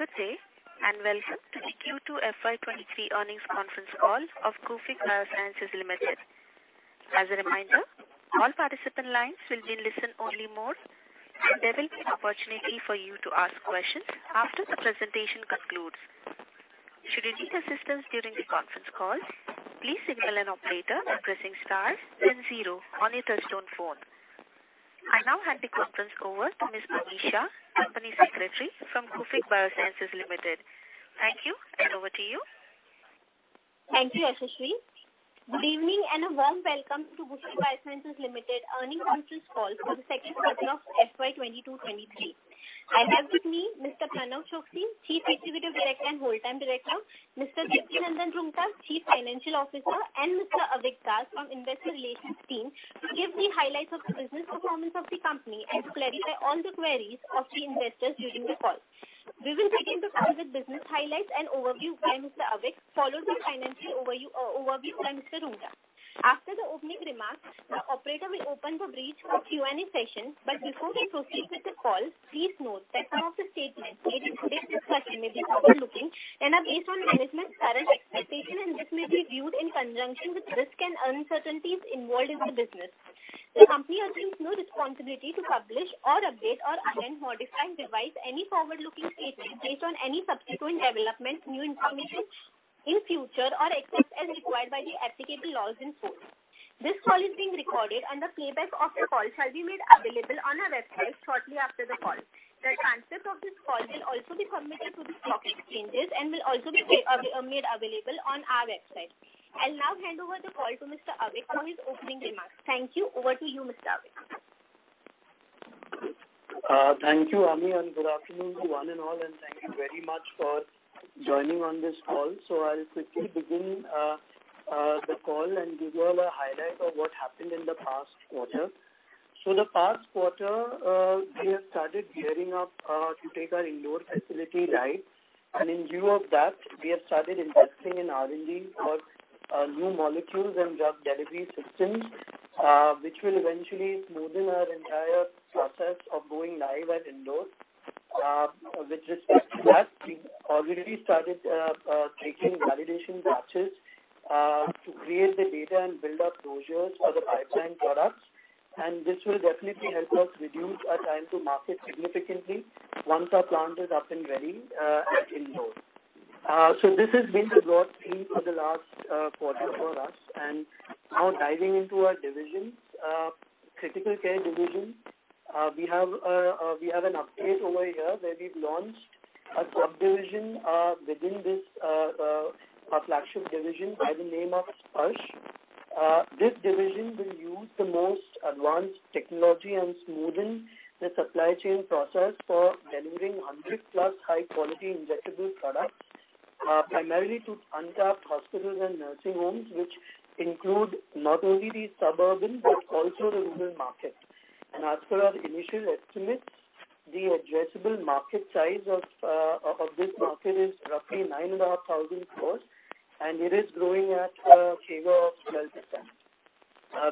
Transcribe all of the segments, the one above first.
Good day, and welcome to the Q2 FY23 earnings conference call of Gufic Biosciences Limited. As a reminder, all participant lines will be in listen only mode. There will be an opportunity for you to ask questions after the presentation concludes. Should you need assistance during the conference call, please signal an operator by pressing star then zero on your touchtone phone. I now hand the conference over to Ms. Ami Shah, Company Secretary from Gufic Biosciences Limited. Thank you, and over to you. Thank you, Yashashree. Good evening and a warm welcome to Gufic Biosciences Limited earnings conference call for the Q2 of FY 2022-23. I have with me Mr. Pranav Choksi, Chief Executive Officer and Whole Time Director, Mr. Devkinandan Roongta, Chief Financial Officer, and Mr. Avik Das from Investor Relations team, to give the highlights of the business performance of the company and clarify all the queries of the investors during the call. We will begin the call with business highlights and overview by Mr. Avik, followed by financial overview by Mr. Roongta. After the opening remarks, the operator will open the bridge for Q&A session. Before we proceed with the call, please note that some of the statements made in today's discussion may be forward-looking and are based on management's current expectation, and this may be viewed in conjunction with risks and uncertainties involved in the business. The company assumes no responsibility to publish or update or amend, modify, revise any forward-looking statement based on any subsequent development, new information in future, or except as required by the applicable laws in force. This call is being recorded and the playback of the call shall be made available on our website shortly after the call. The transcript of this call will also be submitted to the stock exchanges and will also be made available on our website. I'll now hand over the call to Mr. Avik for his opening remarks. Thank you. Over to you, Mr. Avik. Thank you, Ami, and good afternoon to one and all, and thank you very much for joining on this call. I'll quickly begin the call and give you all a highlight of what happened in the past quarter. The past quarter, we have started gearing up to take our Indore facility live. In view of that, we have started investing in R&D for new molecules and drug delivery systems, which will eventually smoothen our entire process of going live at Indore. With respect to that, we've already started taking validation batches to create the data and build up closures for the pipeline products. This will definitely help us reduce our time to market significantly once our plant is up and running at Indore. This has been the broad theme for the last quarter for us. Now diving into our divisions. Critical Care division, we have an update over here where we've launched a sub-division within this, our flagship division by the name of Sparsh. This division will use the most advanced technology and smoothen the supply chain process for delivering 100 plus high quality injectable products primarily to untapped hospitals and nursing homes, which include not only the suburban, but also the rural market. As per our initial estimates, the addressable market size of this market is roughly 9,500 crores, and it is growing at a CAGR of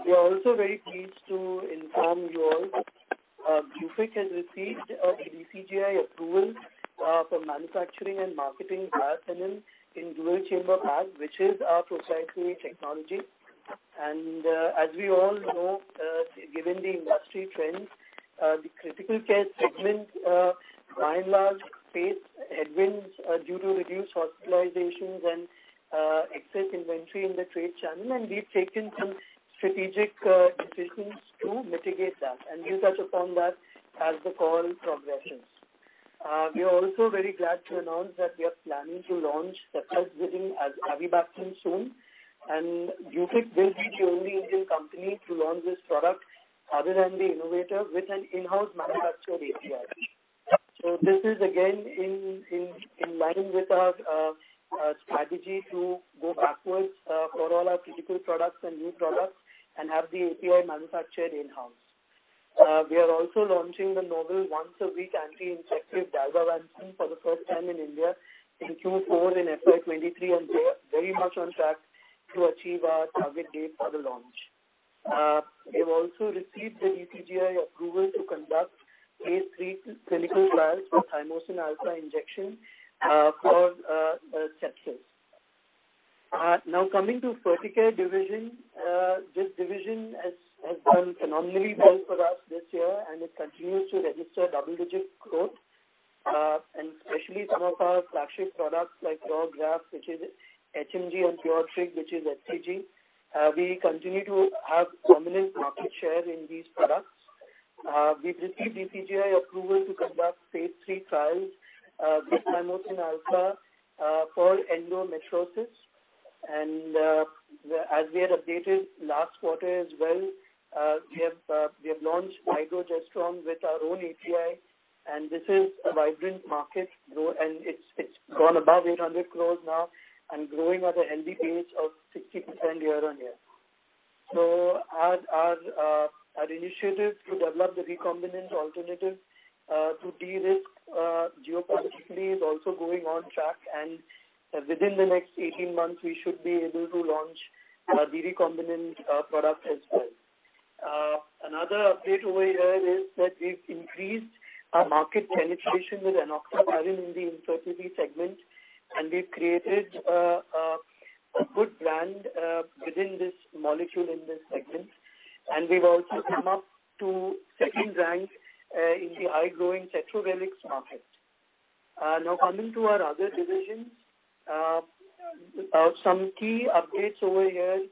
12%. We are also very pleased to inform you all, Gufic has received a DCGI approval for manufacturing and marketing Biocinin in dual chamber pack, which is our proprietary technology. As we all know, given the industry trends, the critical care segment, by and large, faced headwinds due to reduced hospitalizations and excess inventory in the trade channel. We've taken some strategic decisions to mitigate that. We'll touch upon that as the call progresses. We are also very glad to announce that we are planning to launch Ceftazidime-Avibactam soon. Gufic will be the only Indian company to launch this product other than the innovator with an in-house manufactured API. This is again in line with our strategy to go backwards for all our critical products and new products and have the API manufactured in-house. We are also launching the novel once a week anti-infective Dalbavancin for the first time in India in Q4 in FY 2023, and we are very much on track to achieve our target date for the launch. We have also received the DCGI approval to conduct Phase III clinical trials for Thymosin Alpha-1 injection for sepsis. Now coming to Ferticare division. This division has done phenomenally well for us this year, and it continues to register double-digit growth. Especially some of our flagship products like Puregraf, which is HMG, and Puretrig, which is hCG. We continue to have dominant market share in these products. We've received DCGI approval to conduct Phase III trials with Thymosin Alpha for endometriosis. As we had updated last quarter as well, we have launched Mycojestrone with our own API, and this is a vibrant market growing and it's gone above 800 crore now and growing at a healthy pace of 60% year-on-year. Our initiative to develop the recombinant alternative to de-risk geopolitically is also going on track, and within the next 18 months we should be able to launch the recombinant product as well. Another update over here is that we've increased our market penetration with enoxaparin in the infertility segment, and we've created a good brand within this molecule in this segment. We've also come up to second rank in the high-growth Cetrorelix market. Now coming to our other divisions. Some key updates over here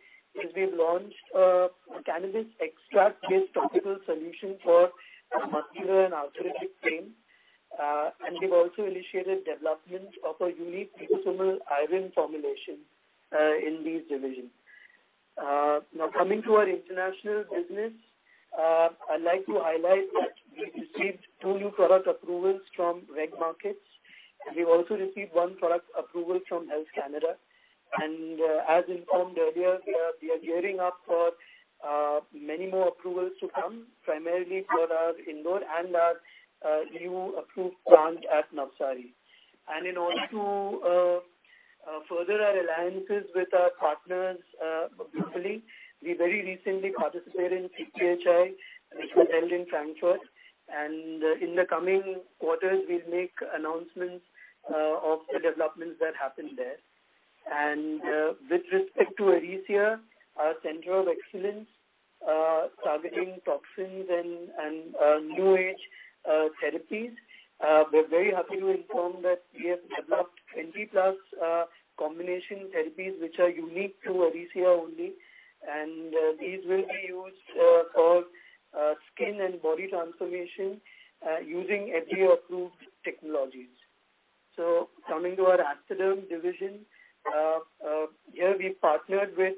is we've launched a cannabis extract-based topical solution for muscular and arthritic pain. We've also initiated development of a unique liposomal iron formulation in this division. Now coming to our international business, I'd like to highlight that we received two new product approvals from regulated markets, and we've also received one product approval from Health Canada. As informed earlier, we are gearing up for many more approvals to come, primarily for our Indore and our new approved plant at Navsari. In order to further our alliances with our partners globally, we very recently participated in CPHI, which was held in Frankfurt. In the coming quarters, we'll make announcements of the developments that happened there. With respect to Arisia, our center of excellence, targeting toxins and new age therapies, we're very happy to inform that we have developed 20+ combination therapies which are unique to Arisia only, and these will be used for skin and body transformation using FDA-approved technologies. Coming to our Aesthaderm division, here we partnered with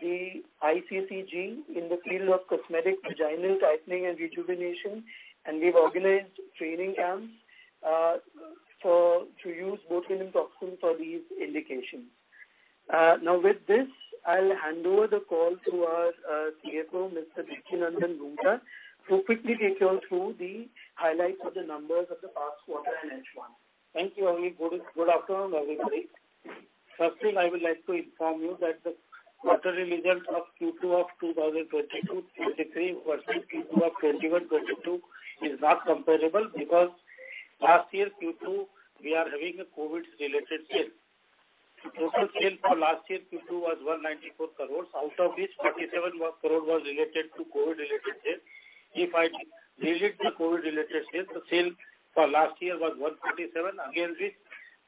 the ICCG in the field of cosmetic vaginal tightening and rejuvenation, and we've organized training camps to use botulinum toxin for these indications. Now with this, I'll hand over the call to our CFO, Mr. Devkinandan Roonghta, to quickly take you all through the highlights of the numbers of the past quarter and H1. Thank you, Avik. Good afternoon, everybody. First thing I would like to inform you that the quarter results of Q2 of 2022 basically versus Q2 of 2021-22 is not comparable because last year's Q2 we are having a COVID-related sale. The total sale for last year's Q2 was 194 crores, out of which 47 crore was related to COVID-related sales. If I delete the COVID-related sales, the sales for last year was 137. Against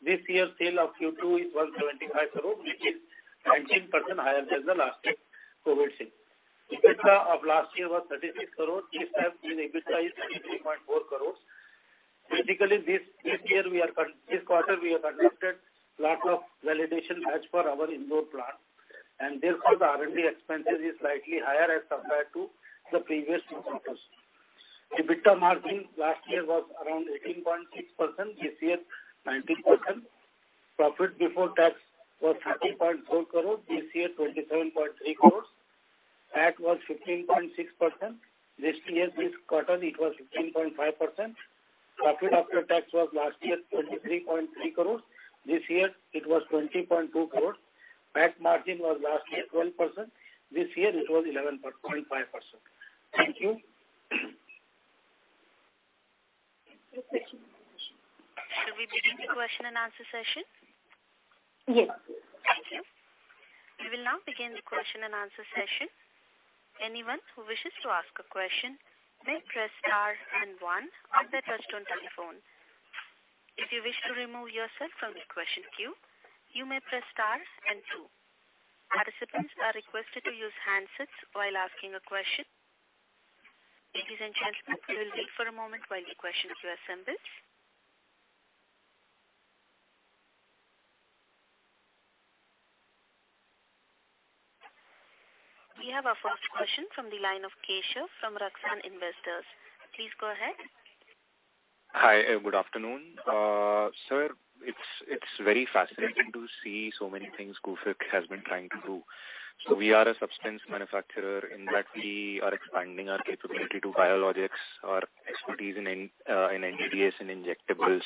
this year's sale of Q2 is 175 crore, which is 19% higher than the last year's COVID sale. EBITDA of last year was INR 36 crores. This time in EBITDA is INR 33.4 crores. This quarter we have conducted lot of validation as per our Indore plant, and therefore the R&D expenses is slightly higher as compared to the previous quarters. EBITDA margin last year was around 18.6%; this year, 19%. Profit before tax was INR 13.4 crore; this year, INR 27.3 crores. Tax was 15.6%. This year, this quarter it was 15.5%. Profit after tax was last year 23.3 crores. This year it was 20.2 crores. Tax margin was last year 12%. This year it was 11.5%. Thank you. Should we begin the question and answer session? Yes. Thank you. We will now begin the question and answer session. Anyone who wishes to ask a question may press star one on their touchtone telephone. If you wish to remove yourself from the question queue, you may press star two. Participants are requested to use handsets while asking a question. Ladies and gentlemen, we will wait for a moment while the question queue assembles. We have our first question from the line of Keshav from Raksan Investors. Please go ahead. Hi. Good afternoon. Sir, it's very fascinating to see so many things Gufic has been trying to do. We are a substance manufacturer in that we are expanding our capability to biologics, our expertise in NDDS and injectables.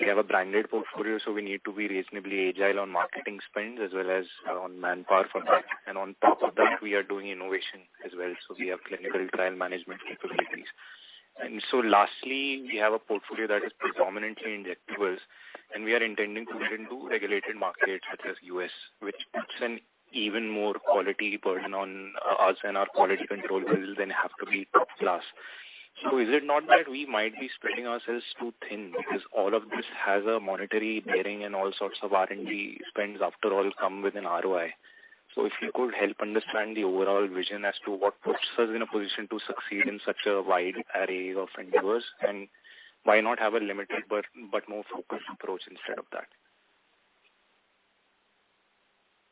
We have a branded portfolio, so we need to be reasonably agile on marketing spends as well as on manpower for that. On top of that, we are doing innovation as well. We have clinical trial management capabilities. Lastly, we have a portfolio that is predominantly injectables, and we are intending to get into regulated markets such as U.S., which puts an even more quality burden on us, and our quality control will then have to be top class. Is it not that we might be spreading ourselves too thin? Because all of this has a monetary bearing and all sorts of R&D spends after all come with an ROI. If you could help understand the overall vision as to what puts us in a position to succeed in such a wide array of endeavors, and why not have a limited but more focused approach instead of that?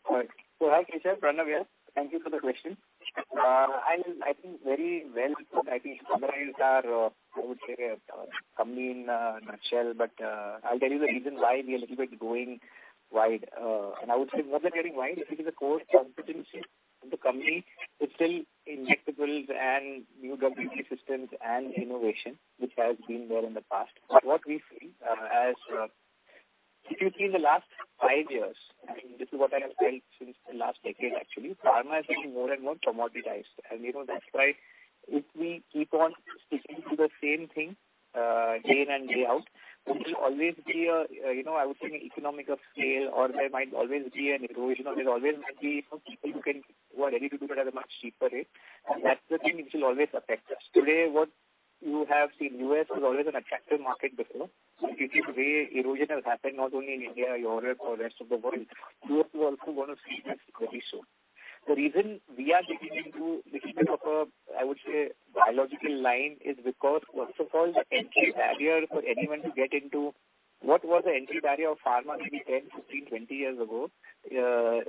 All right. Hi, Keshav. Pranav here. Thank you for the question. I think very well summarized our company in a nutshell, but I'll tell you the reason why we are a little bit going wide. I would say more than getting wide, it is a core competency of the company. It's still injectables and new delivery systems and innovation, which has been there in the past. What we feel, as, If you see in the last five years, I mean, this is what I have felt since the last decade actually, pharma is becoming more and more commoditized. That's why if we keep on sticking to the same thing day in and day out, there will always be a I would say economy of scale or there might always be an erosion or there always might be people who are ready to do it at a much cheaper rate. That's the thing which will always affect us. Today, what you have seen, U.S. was always an attractive market before. If you see the way erosion has happened not only in India, Europe or rest of the world, you also going to see that pretty soon. The reason we are beginning to look at a, I would say, biological line is because first of all the entry barrier for anyone to get into. What was the entry barrier of pharma maybe 10, 15, 20 years ago, so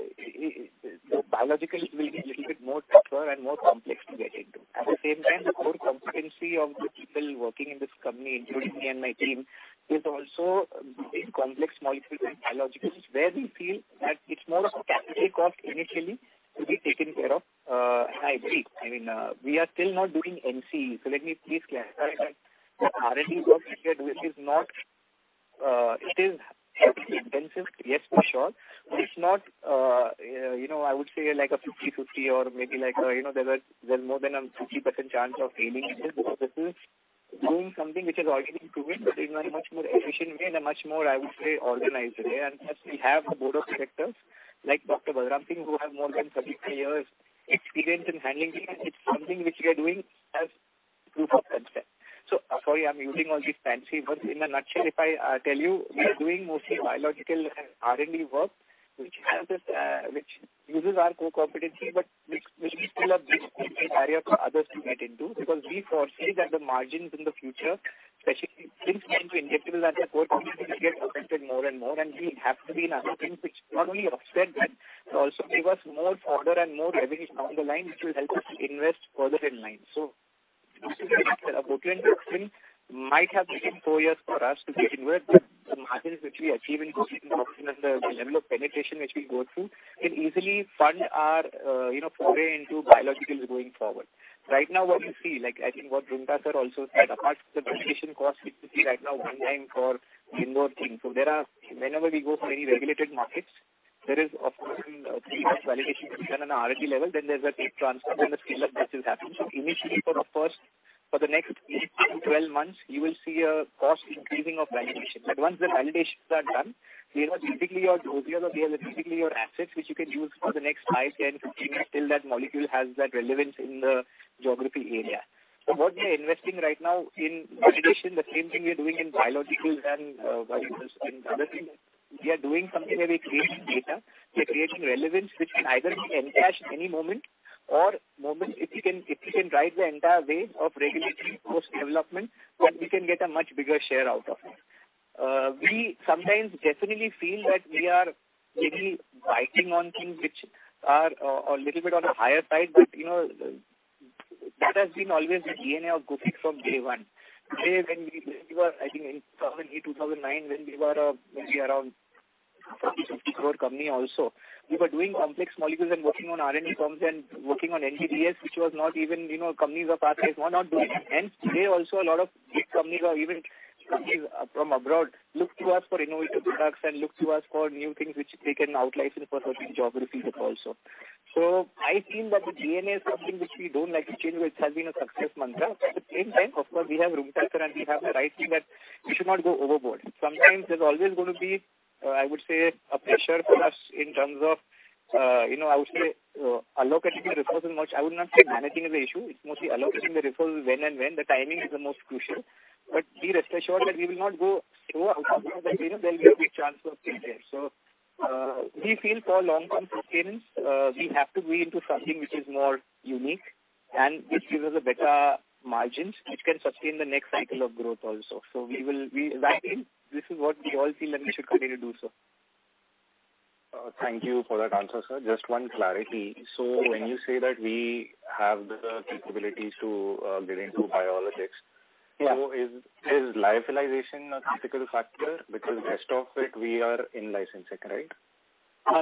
biologicals will be little bit more tougher and more complex to get into. At the same time, the core competency of the people working in this company, including me and my team, is also doing complex molecules and biologicals, where we feel that it's more of a capacity cost initially to be taken care of. I agree. I mean, we are still not doing NCE. Let me please clarify that the R&D work which we are doing is not, it is heavily intensive, yes, for sure. It's not I would say like a 50/50 or maybe like there's more than a 50% chance of failing it. Because this is doing something which has already been proven, but in a much more efficient way, in a much more, I would say, organized way. Plus we have a board of directors like Dr. Balram Singh, who have more than 33 years experience in handling this. It's something which we are doing as proof of concept. Sorry, I'm using all these fancy words. In a nutshell, if I tell you, we are doing mostly biological R&D work, which uses our core competency, but which is still a big entry barrier for others to get into. Because we foresee that the margins in the future, especially things coming to injectable as a core competency, will get affected more and more. We have to be in other things which not only offset that, but also give us more orders and more revenue down the line, which will help us invest further in line. Botulinum toxin might have taken four years for us to get in, but the margins which we achieve in botulinum toxin and the level of penetration which we go through can easily fund our foray into biologicals going forward. Right now what you see, like I think what Roonghta sir also said, apart from the validation costs which you see right now one time for Indore things. There are Whenever we go for any regulated markets, there is of course some pre-market validation which is done on an R&D level. There's a transfer, then the scale-up which is happening. Initially for the next 8-12 months, you will see a cost increasing of validation. Once the validations are done those are typically your assets which you can use for the next 5, 10, 15 years till that molecule has that relevance in the geography area. What we are investing right now in validation, the same thing we are doing in biologicals and, viruses and other things. We are doing something where we are creating data. We are creating relevance which can either be encashed any moment or if we can ride the entire wave of regulatory post-development, then we can get a much bigger share out of it. We sometimes definitely feel that we are maybe biting on things which are a little bit on the higher side. That has been always the DNA of Gufic from day one. Today, when we were, I think in 2008, 2009, when we were a maybe around INR 40-60 crore company also, we were doing complex molecules and working on R&D forms and working on NDDS, which was not even companies of our size were not doing. Today also a lot of big companies or even companies from abroad look to us for innovative products and look to us for new things which they can out-license for certain geographies also. I feel that the DNA is something which we don't like to change, which has been a success mantra. At the same time, of course, we have Roonghta sir, and we have the right team that we should not go overboard. Sometimes there's always going to be, I would say a pressure for us in terms of I would say, allocating the resources much. I would not say managing is an issue. It's mostly allocating the resources when, the timing is the most crucial. Be rest assured that we will not go so out of our way that there will be a big chance of failure. We feel for long-term sustenance, we have to be into something which is more unique and which gives us a better margins, which can sustain the next cycle of growth also. That is, this is what we all feel that we should continue to do so. Thank you for that answer, sir. Just one clarity. When you say that we have the capabilities to get into biologics. Yeah. Is lyophilization a critical factor? Because rest of it we are in-licensing, right?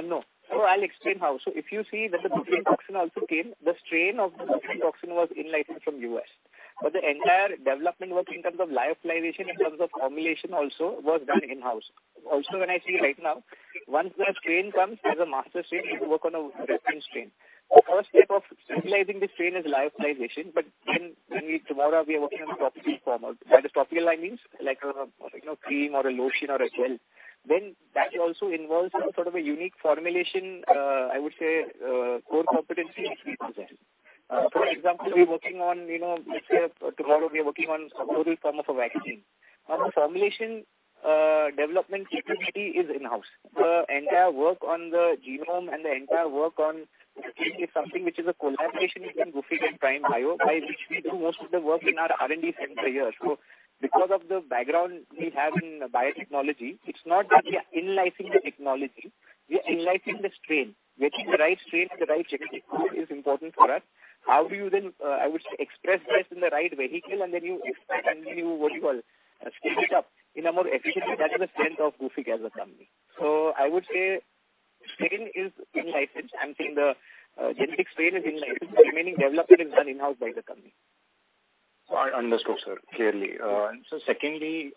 No. I'll explain how. If you see that the Botulinum toxin also came, the strain of the Botulinum toxin was in-licensed from U.S. But the entire development work in terms of lyophilization, in terms of formulation also was done in-house. When I see right now, once the strain comes, there's a master strain, we work on a reference strain. The first step of stabilizing the strain is lyophilization. But when we tomorrow we are working on a topical format. By the topical, I mean like a cream or a lotion or a gel. Then that also involves some sort of a unique formulation, I would say, core competency which we possess. For example, we are working on let's say tomorrow we are working on a topical form of a vaccine. Now the formulation development capability is in-house. The entire work on the genome. It is something which is a collaboration between Gufic and Prime Bio, by which we do most of the work in our R&D center here. Because of the background we have in biotechnology, it's not that we are in-licensing the technology. We are in-licensing the strain. Getting the right strain and the right genetic code is important for us. How do you then, I would say, express this in the right vehicle and then what do you call? Scale it up in a more efficient way. That is the strength of Gufic as a company. I would say strain is in-licensed. I'm saying the genetic strain is in-licensed. The remaining development is done in-house by the company. I understood, sir. Clearly. Secondly,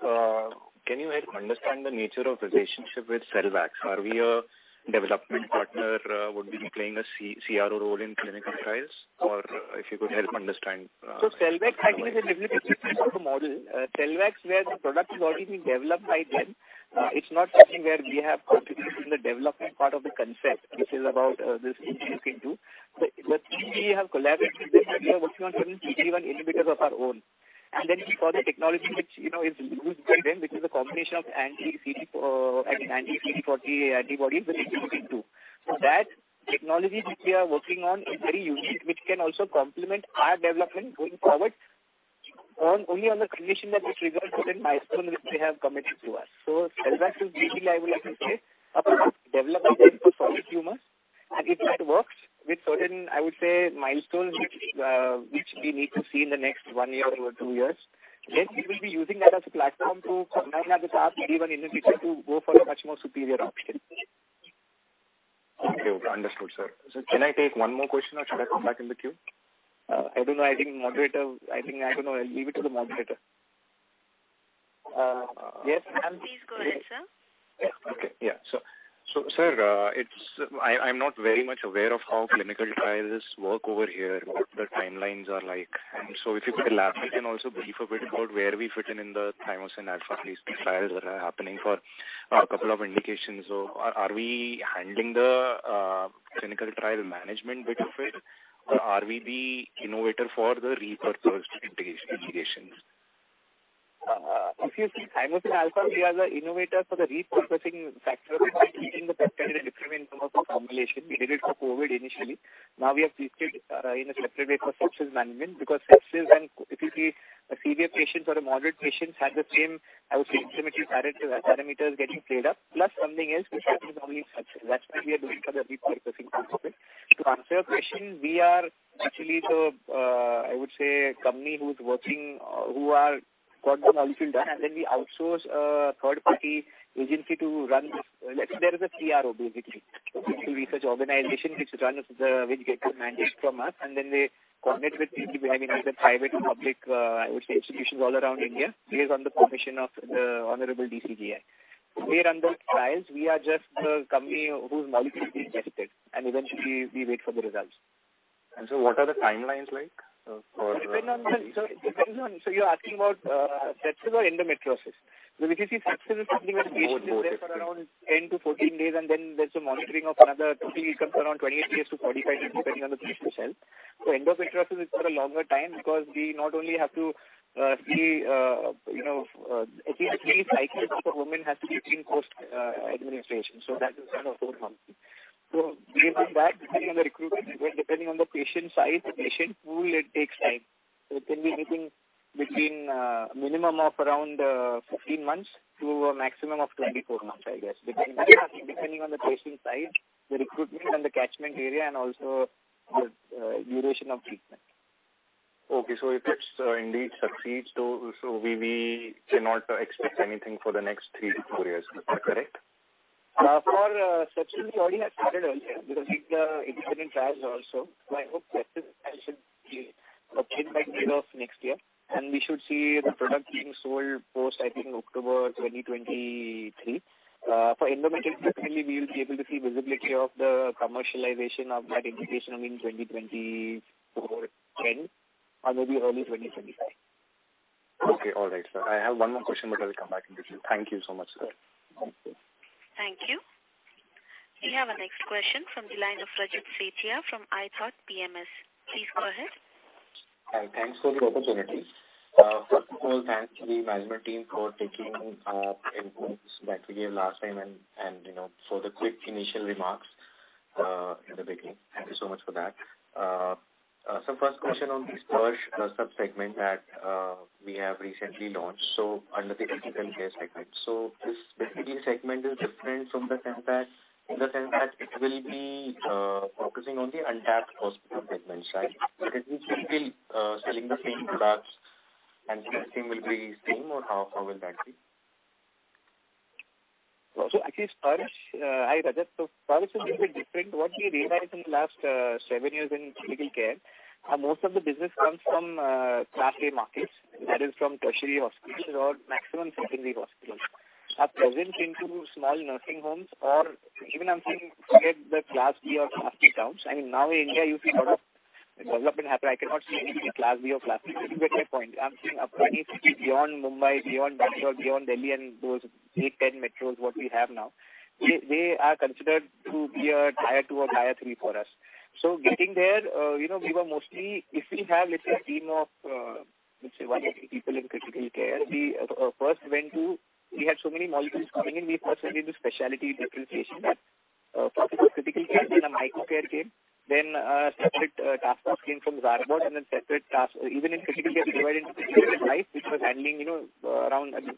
can you help understand the nature of relationship with Selvax? Are we a development partner, would we be playing a CRO role in clinical trials? Or if you could help understand, Selvax, I think, is a different business model. Selvax, where the product is already being developed by them, it's not something where we have contributed in the development part of the concept, which is about this CDK2. We have collaborated with them, and we are working on certain CDK1 inhibitors of our own. Then for the technology which is used by them, which is a combination of anti-CD4 T-cell antibodies with CTLA-4. That technology which we are working on is very unique, which can also complement our development going forward only on the condition that it results within milestone which they have committed to us. Selvax is basically, I would like to say, a development for solid tumors. If that works with certain, I would say, milestones which we need to see in the next one year or two years, then we will be using that as a platform to combine with our CDK1 inhibitor to go for a much more superior option. Okay, understood, sir. Can I take one more question or should I come back in the queue? I don't know. I'll leave it to the moderator. Yes. Please go ahead, sir. Yeah, okay. Sir, I'm not very much aware of how clinical trials work over here, what the timelines are like. If you could elaborate and also brief a bit about where we fit in the Thymosin Alpha-1 trials that are happening for a couple of indications. Are we handling the clinical trial management bit of it? Or are we the innovator for the repurposed indications? If you see Thymosin Alpha-1, we are the innovator for the repurposing factor by keeping the peptide in a different form of a formulation. We did it for COVID initially. Now we have shifted in a separate way for sepsis management, because sepsis. If you see a severe patient or a moderate patient have the same, I would say, inflammatory parameters getting played up, plus something else which happens normally in sepsis. That's why we are doing for the repurposing component. To answer your question, we are actually the, I would say, company who got the molecule done, and then we outsource a third-party agency to run this. Let's say there is a CRO, basically, contract research organization which runs the. which gets the mandate from us, and then they coordinate with the private and public, I would say, institutions all around India, based on the permission of the honorable DCGI. They run the trials. We are just the company whose molecule is being tested, and eventually we wait for the results. What are the timelines like for? You're asking about sepsis or endometriosis? Because if you see, sepsis is something where the patient- Both. Yeah. Is there for around 10-14 days, and then there's a monitoring of another. Totally it comes around 28-45 days, depending on the patient's health. Endometriosis is for a longer time because we not only have to see at least three cycles of a woman has to be in post administration. That is around a whole month. Based on that, depending on the recruitment, depending on the patient size, the patient pool, it takes time. It can be anything between minimum of around 15 months to a maximum of 24 months, I guess. Depending on the patient size, the recruitment and the catchment area, and also the duration of treatment. Okay. If this indeed succeeds, so we cannot expect anything for the next 3-4 years. Is that correct? For sepsis, we already have started earlier because with the existing trials also. I hope sepsis should be ready by middle of next year. We should see the product being sold post, I think, October 2023. For endometriosis, certainly we will be able to see visibility of the commercialization of that indication in 2024 end or maybe early 2025. Okay. All right, sir. I have one more question, but I will come back in the queue. Thank you so much, sir. Okay. Thank you. We have our next question from the line of Rajat Sethi from iThought PMS. Please go ahead. Hi. Thanks for the opportunity. First of all, thanks to the management team for taking inputs that we gave last time and for the quick initial remarks in the beginning. Thank you so much for that. First question on the Sparsh sub-segment that we have recently launched under the critical care segment. This basically segment is different in the sense that it will be focusing on the untapped hospital segments, right? It means we're still selling the same products and pricing will be same, or how will that be? Actually Sparsh. Hi, Rajat. Sparsh is little bit different. What we realized in the last seven years in critical care, most of the business comes from Class A markets, that is from tertiary hospitals or maximum secondary hospitals. Our presence into small nursing homes or even I'm seeing, forget the Class B or Class C towns. I mean, now in India you see a lot of development happen. I cannot see anything Class B or Class C. You get my point. I'm saying a 20-city beyond Mumbai, beyond Bangalore, beyond Delhi, and those 8-10 metros what we have now, they are considered to be a tier two or tier three for us. Getting there, we were mostly. If we have, let's say, a team of 180 people in Criticare, we first went to. We had so many molecules coming in. We first went into specialty differentiation. First it was Criticare, then Microcare came. Then a separate taskforce came from Zarbot, and then separate task. Even in Criticare, we divided into Criticare Life, which was handling around a good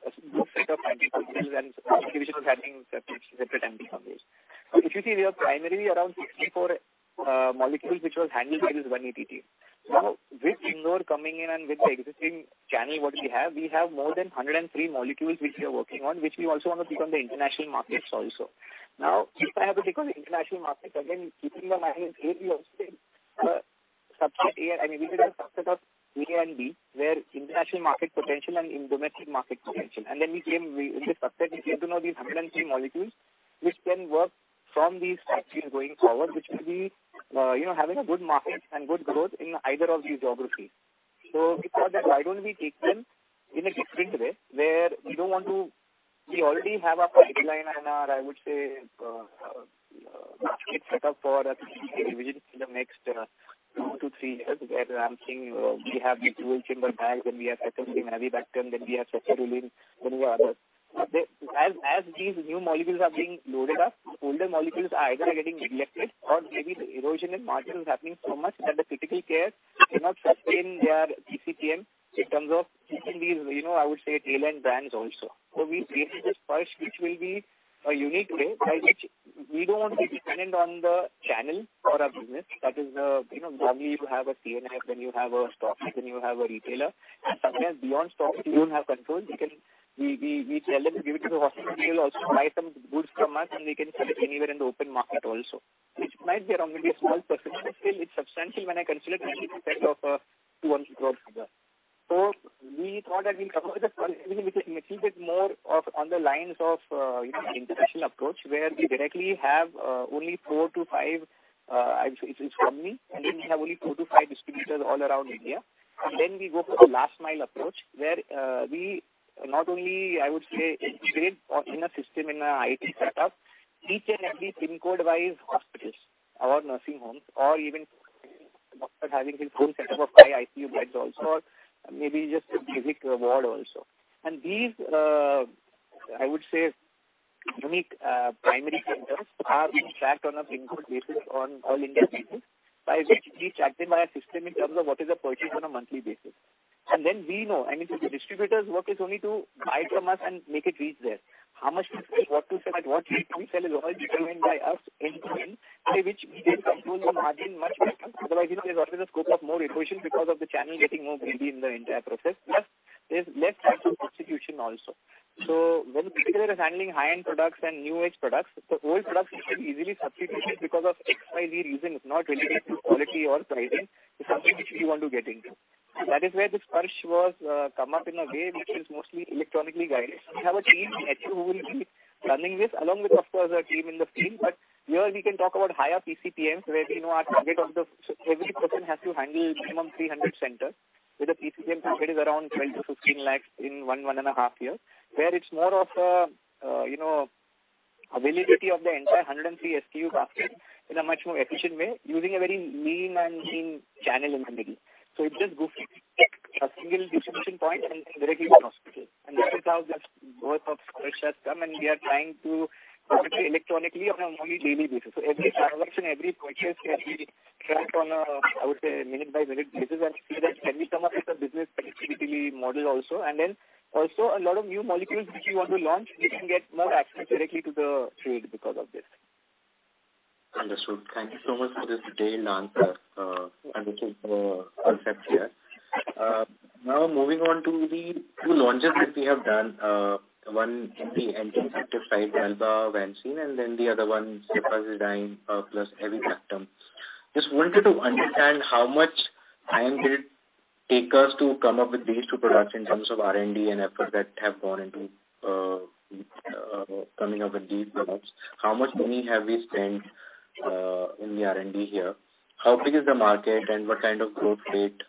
set of molecules and Sparsh was handling separate MD combos. If you see, we have primarily around 64 molecules which was handled by this one ATD. Now, with newer coming in and with the existing scan and what we have, we have more than 103 molecules which we are working on, which we also want to take on the international markets also. Now, if I have to take on the international markets, again, keeping in mind this area also, subset A. I mean, we did a subset of A and B, where international market potential and domestic market potential. We came in the subset to know these 103 molecules which can work from these factories going forward, which will be having a good market and good growth in either of these geographies. We thought that why don't we take them in a different way, where we don't want to. We already have our pipeline and our, I would say, market set up for a specific division in the next 2-3 years, where I'm seeing we have the dual chamber bag, then we have ceftazidime-avibactam, then we have cefazolin, then few others. As these new molecules are being loaded up, older molecules are either getting neglected or maybe the erosion in margin is happening so much that the Criticare cannot sustain their PCPM in terms of keeping these I would say tail-end brands also. We created this Sparsh which will be a unique way by which we don't want to be dependent on the channel for our business. That is normally you have a C&F, then you have a stockist, then you have a retailer. Sometimes beyond stockist, you don't have control. We tell them to give it to the hospital. They will also buy some goods from us, and they can sell it anywhere in the open market also. Which might be maybe a small percentage, but still it's substantial when I consider 20% of INR 200 crore business. We thought that we'll cover the front, even if it's a little bit more of on the lines of international approach, where we directly have only 4-5, I would say it's from me, and then we have only 4-5 distributors all around India. We go for the last mile approach, where we not only, I would say, integrate or in a system in a IT setup, each and every pin code-wise hospitals or nursing homes or even doctor having his own setup of 5 ICU beds also, or maybe just a basic ward also. These, I would say unique, primary centers are being tracked on a pin code basis on all India basis, by which we track them by our system in terms of what is the purchase on a monthly basis. Then we know, and it's the distributors' work is only to buy from us and make it reach there. How much to sell, what to sell and what we sell is all determined by us end to end, by which we can control the margin much better. Otherwise there's always a scope of more erosion because of the channel getting more greedy in the entire process. Plus, there's less chance of substitution also. When distributor is handling high-end products and new age products, the old products can be easily substituted because of XYZ reason. It's not related to quality or pricing. It's something which we want to get into. That is where this Sparsh was come up in a way which is mostly electronically guided. We have a team in HQ who will be running this along with, of course, our team in the field. Here we can talk about higher PCPMs, where we know our target of the. Every person has to handle minimum 300 centers, with a PCPM target is around 12-15 lakhs in one and a half years. Where it's more of availability of the entire 103 SKU basket in a much more efficient way, using a very lean and mean channel in the middle. It just goes from a single distribution point and directly to hospital. That is how this birth of Sparsh has come, and we are trying to monitor electronically on a monthly, daily basis. Every transaction, every purchase can be tracked on a, I would say, minute-by-minute basis and see that can we come up with a business profitability model also. Then also a lot of new molecules which we want to launch, we can get more access directly to the trade because of this. Understood. Thank you so much for this detailed answer, and this whole concept here. Now moving on to the two launches that we have done, one in the anti-infective side, Dalbavancin, Vancomycin, and then the other one, Ceftazidime plus avibactam. Just wanted to understand how much time did it take us to come up with these two products in terms of R&D and effort that have gone into coming up with these products? How much money have we spent in the R&D here? How big is the market and what kind of growth rate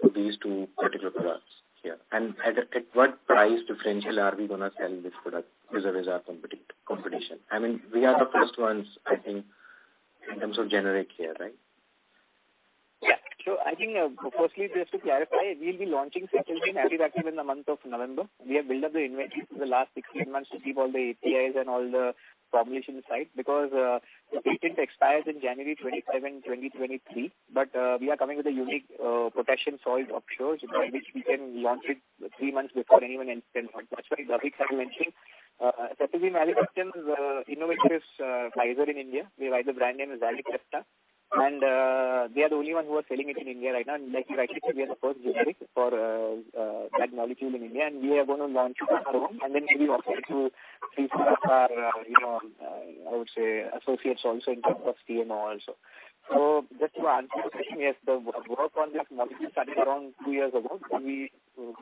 for these two particular products here? And at what price differential are we going to sell this product vis-a-vis our competition? We are the first ones, I think, in terms of generic here, right? Yeah. I think, firstly, just to clarify, we'll be launching ceftazidime-avibactam in the month of November. We have built up the inventory for the last 6-8 months to keep all the APIs and all the formulation side because the patent expires in January 2027. We are coming with a unique protection so offshore, by which we can launch it 3 months before anyone else can launch. That's why Avik was mentioning ceftazidime-avibactam's innovator is Pfizer in India. We write the brand name as Zavicefta. They are the only one who are selling it in India right now. Like you rightly said, we are the first generic for that molecule in India, and we are going to launch it on our own and then maybe offer it to a few of our I would say associates also in terms of CMO also. Just to answer your question, yes, the work on this molecule started around 2 years ago. We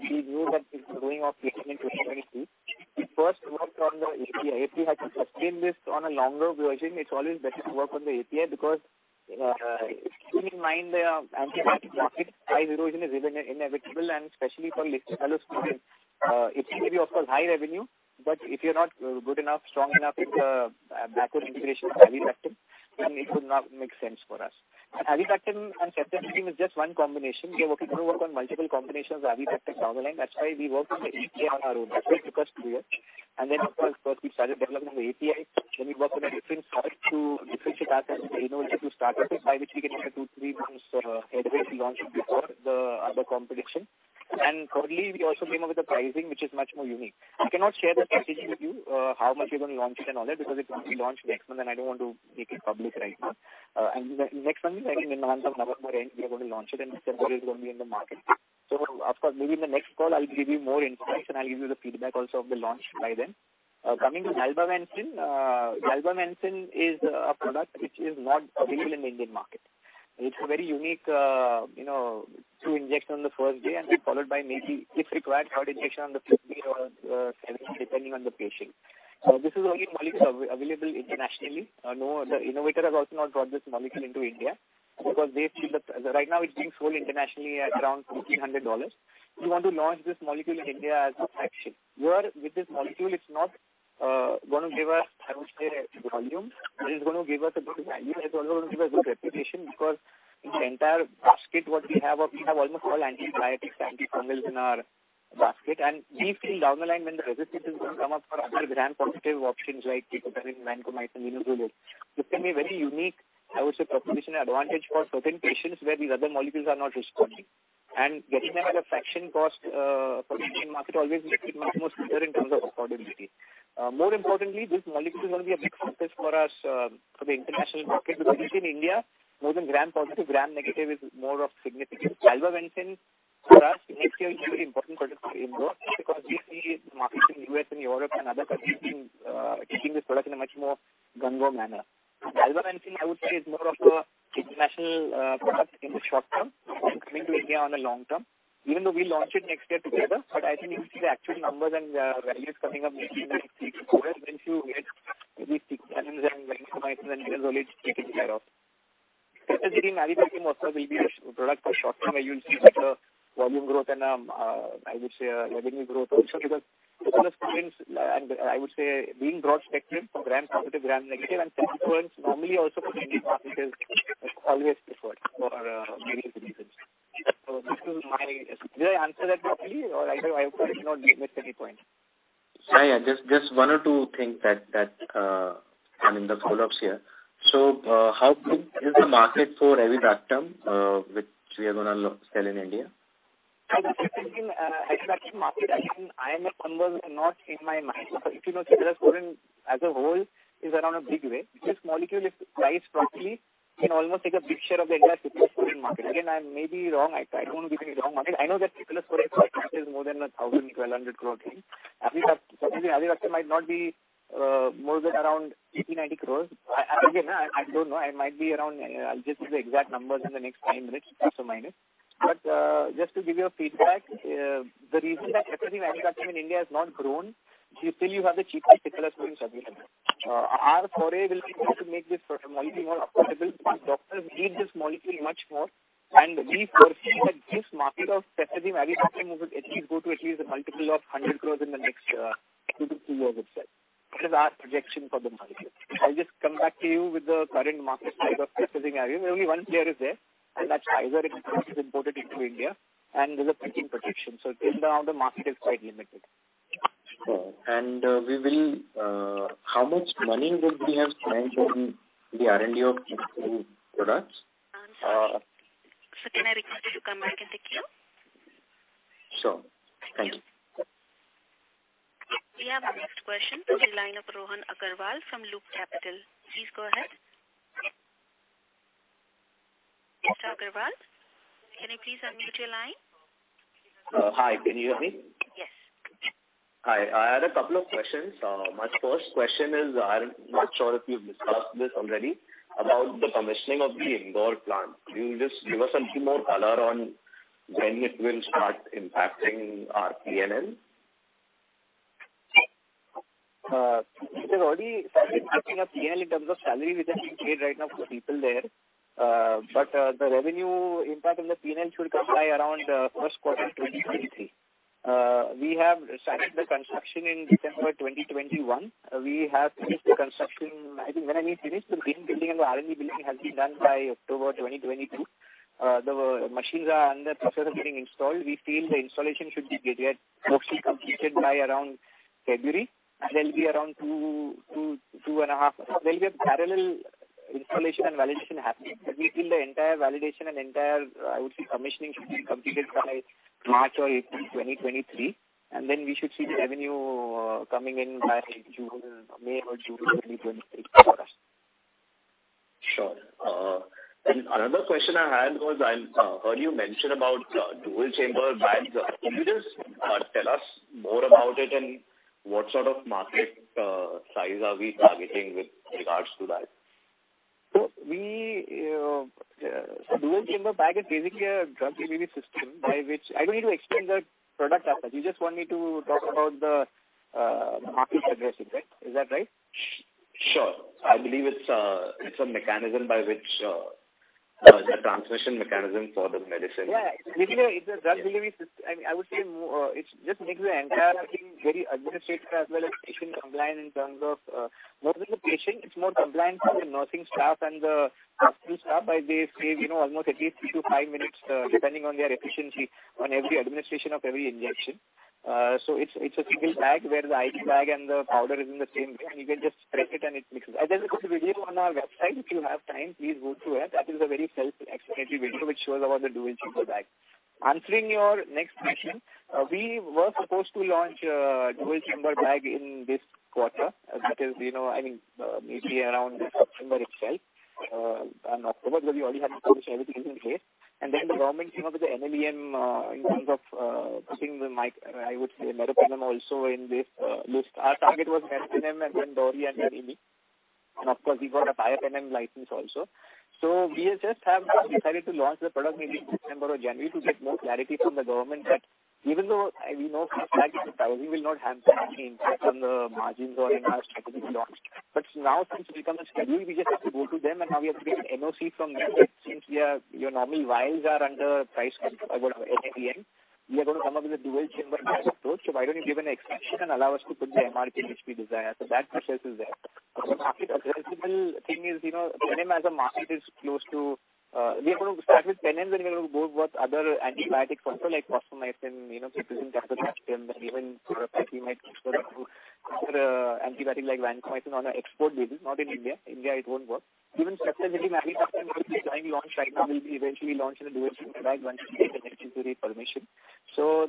knew that it's going off patent in 2023. We first worked on the API. API to sustain this on a longer version, it's always better to work on the API because, keeping in mind the antibiotic market, high erosion is inevitable, and especially for listed molecules, it may be of course high revenue, but if you're not good enough, strong enough with the backward integration of avibactam, then it would not make sense for us. Avibactam and Ceftazidime is just one combination. We are working going to work on multiple combinations of avibactam down the line. That's why we worked on the API on our own. That's what took us two years. Of course, first we started development of API. We worked on a different start to differentiate us as an innovator to start with, by which we can get a 2-3 months head start to launch it before the other competition. Thirdly, we also came up with the pricing, which is much more unique. I cannot share the strategy with you, how much we're going to launch it and all that because it's going to be launched next month and I don't want to make it public right now. Next month, I think in the month of November end, we are going to launch it and December it's going to be in the market. Of course, maybe in the next call I'll give you more insights and I'll give you the feedback also of the launch by then. Coming to Dalbavancin is a product which is not available in the Indian market. It's a very unique two injection on the first day and then followed by maybe if required third injection on the fifth day or, seventh, depending on the patient. This is only molecule available internationally. No other innovator has also not brought this molecule into India because they feel that. Right now it's being sold internationally at around $1,500. We want to launch this molecule in India as a fraction, where with this molecule it's not going to give us, I would say, volume. It is going to give us a good value and it's also going to give us good reputation because in the entire basket what we have almost all antibiotics, antifungals in our basket. We feel down the line when the resistance is going to come up for other gram-positive options like Teicoplanin, Vancomycin, Linezolid. This can be very unique, I would say, proposition advantage for certain patients where these other molecules are not responding. Getting that at a fraction cost for the Indian market always makes it much more clearer in terms of affordability. More importantly, this molecule is going to be a big success for us for the international market because we see in India more than gram-positive, gram-negative is more of significance. Dalbavancin for us next year is a very important product for Indore because we see markets in U.S. and Europe and other countries taking this product in a much more gung-ho manner. Dalbavancin, I would say, is more of a international product in the short term and coming to India on the long term, even though we launch it next year together. I think you'll see the actual numbers and values coming up maybe in the sequential quarters once you get maybe six months and Vancomycin and Linezolid is taken care of. Ceftazidime-avibactam also will be a star product for short term, where you'll see better volume growth and, I would say, revenue growth also because ceftazidime and I would say being broad-spectrum for gram-positive, gram-negative and cephalosporins normally also for Indian market is always preferred for many reasons. Did I answer that properly or I hope I did not miss any point? Yeah. Just one or two things that I mean, the follow-ups here. How big is the market for avibactam, which we are going to launch in India? Avibactam market, I think IMS numbers are not in my mind. If you know ceftazidime as a whole is around a big way. This molecule, if priced properly, can almost take a big share of the entire ceftazidime market. Again, I may be wrong. I don't want to give any wrong market. I know that ceftazidime market is more than 1,000-1,200 crore range. Sometimes avibactam might not be more than around 80-90 crore. Again, I don't know. I might be around. I'll just give the exact numbers in the next five minutes, ±. Just to give you a feedback, the reason that ceftazidime-avibactam in India has not grown is still you have the cheaper ceftazidime substitute. Our foray will be to make this pro-molecule more affordable. Doctors need this molecule much more, and we foresee that this market of ceftazidime-avibactam will at least go to at least a multiple of 100 crore in the next 2-3 years itself. This is our projection for the market. I'll just come back to you with the current market size of ceftazidime-avibactam. Only one player is there, and that's Pfizer. It is imported into India and there's a patent protection. Till now the market is quite limited. Sure. How much money would we have spent on the R&D of these two products? Sorry. Can I request you to come back in the queue? Sure. Thank you. We have our next question from the line of Rohan Rabindra Agarwal from Loop Advisory Ventures LLP. Please go ahead. Mr. Agarwal, can you please unmute your line? Hi. Can you hear me? Yes. Hi. I had a couple of questions. My first question is, I'm not sure if you've discussed this already, about the commissioning of the Indore plant. Can you just give us a few more color on when it will start impacting our P&L? It is already started impacting our P&L in terms of salary which are being paid right now to people there. The revenue impact on the P&L should come by around Q1 2023. We have started the construction in December 2021. We have finished the construction. I think when I mean finish, the main building and the R&D building has been done by October 2022. The machines are under process of getting installed. We feel the installation should get mostly completed by around February. There'll be around two and a half. There'll be a parallel installation and validation happening. We feel the entire validation and entire, I would say, commissioning should be completed by March or April 2023. Then we should see the revenue coming in by June. May or June 2023 for us. Sure. Another question I had was I heard you mention about dual chamber bags. Can you just tell us more about it and what sort of market size are we targeting with regards to that? Dual chamber bag is basically a drug delivery system by which I don't need to explain the product as such. You just want me to talk about the market access, is that right? Sure. I believe it's a mechanism by which the transmission mechanism for the medicine. Basically, it's a drug delivery system. I would say it just makes the entire thing very administration as well as patient compliant in terms of, more than the patient, it's more compliant for the nursing staff and the hospital staff as they save almost at least 2-5 minutes, depending on their efficiency on every administration of every injection. So it's a single bag where the IV bag and the powder is in the same bag, and you can just press it and it mixes. There's a good video on our website. If you have time, please go through it. That is a very self-explanatory video which shows about the dual chamber bag. Answering your next question, we were supposed to launch dual chamber bag in this quarter. That is I mean, maybe around September itself. By November where we already had everything in place. The government came up with the NLEM, in terms of putting meropenem also in this list. Our target was meropenem and then doripenem and then imipenem. Of course, we got a piperacillin license also. We have just decided to launch the product maybe in December or January to get more clarity from the government that even though we know for a fact that the pricing will not have that much impact on the margins or in our strategic launch. Now since we become scheduled, we just have to go to them and now we have to get an NOC from them that since we are, your normal vials are under price control about NLEM, we are going to come up with a dual chamber type approach. Why don't you give an exemption and allow us to put the MRP which we desire. That process is there. The market addressable thing is meropenem as a market is close to, we are going to start with INR 10 million and we're going to go with other antibiotic control like tobramycin cefotaxime and even sort of peptide for other antibiotic like vancomycin on an export basis, not in India. India it won't work. Even ceftazidime and imipenem which we are trying to launch right now will be eventually launched in a dual chamber bag once we get the necessary permission.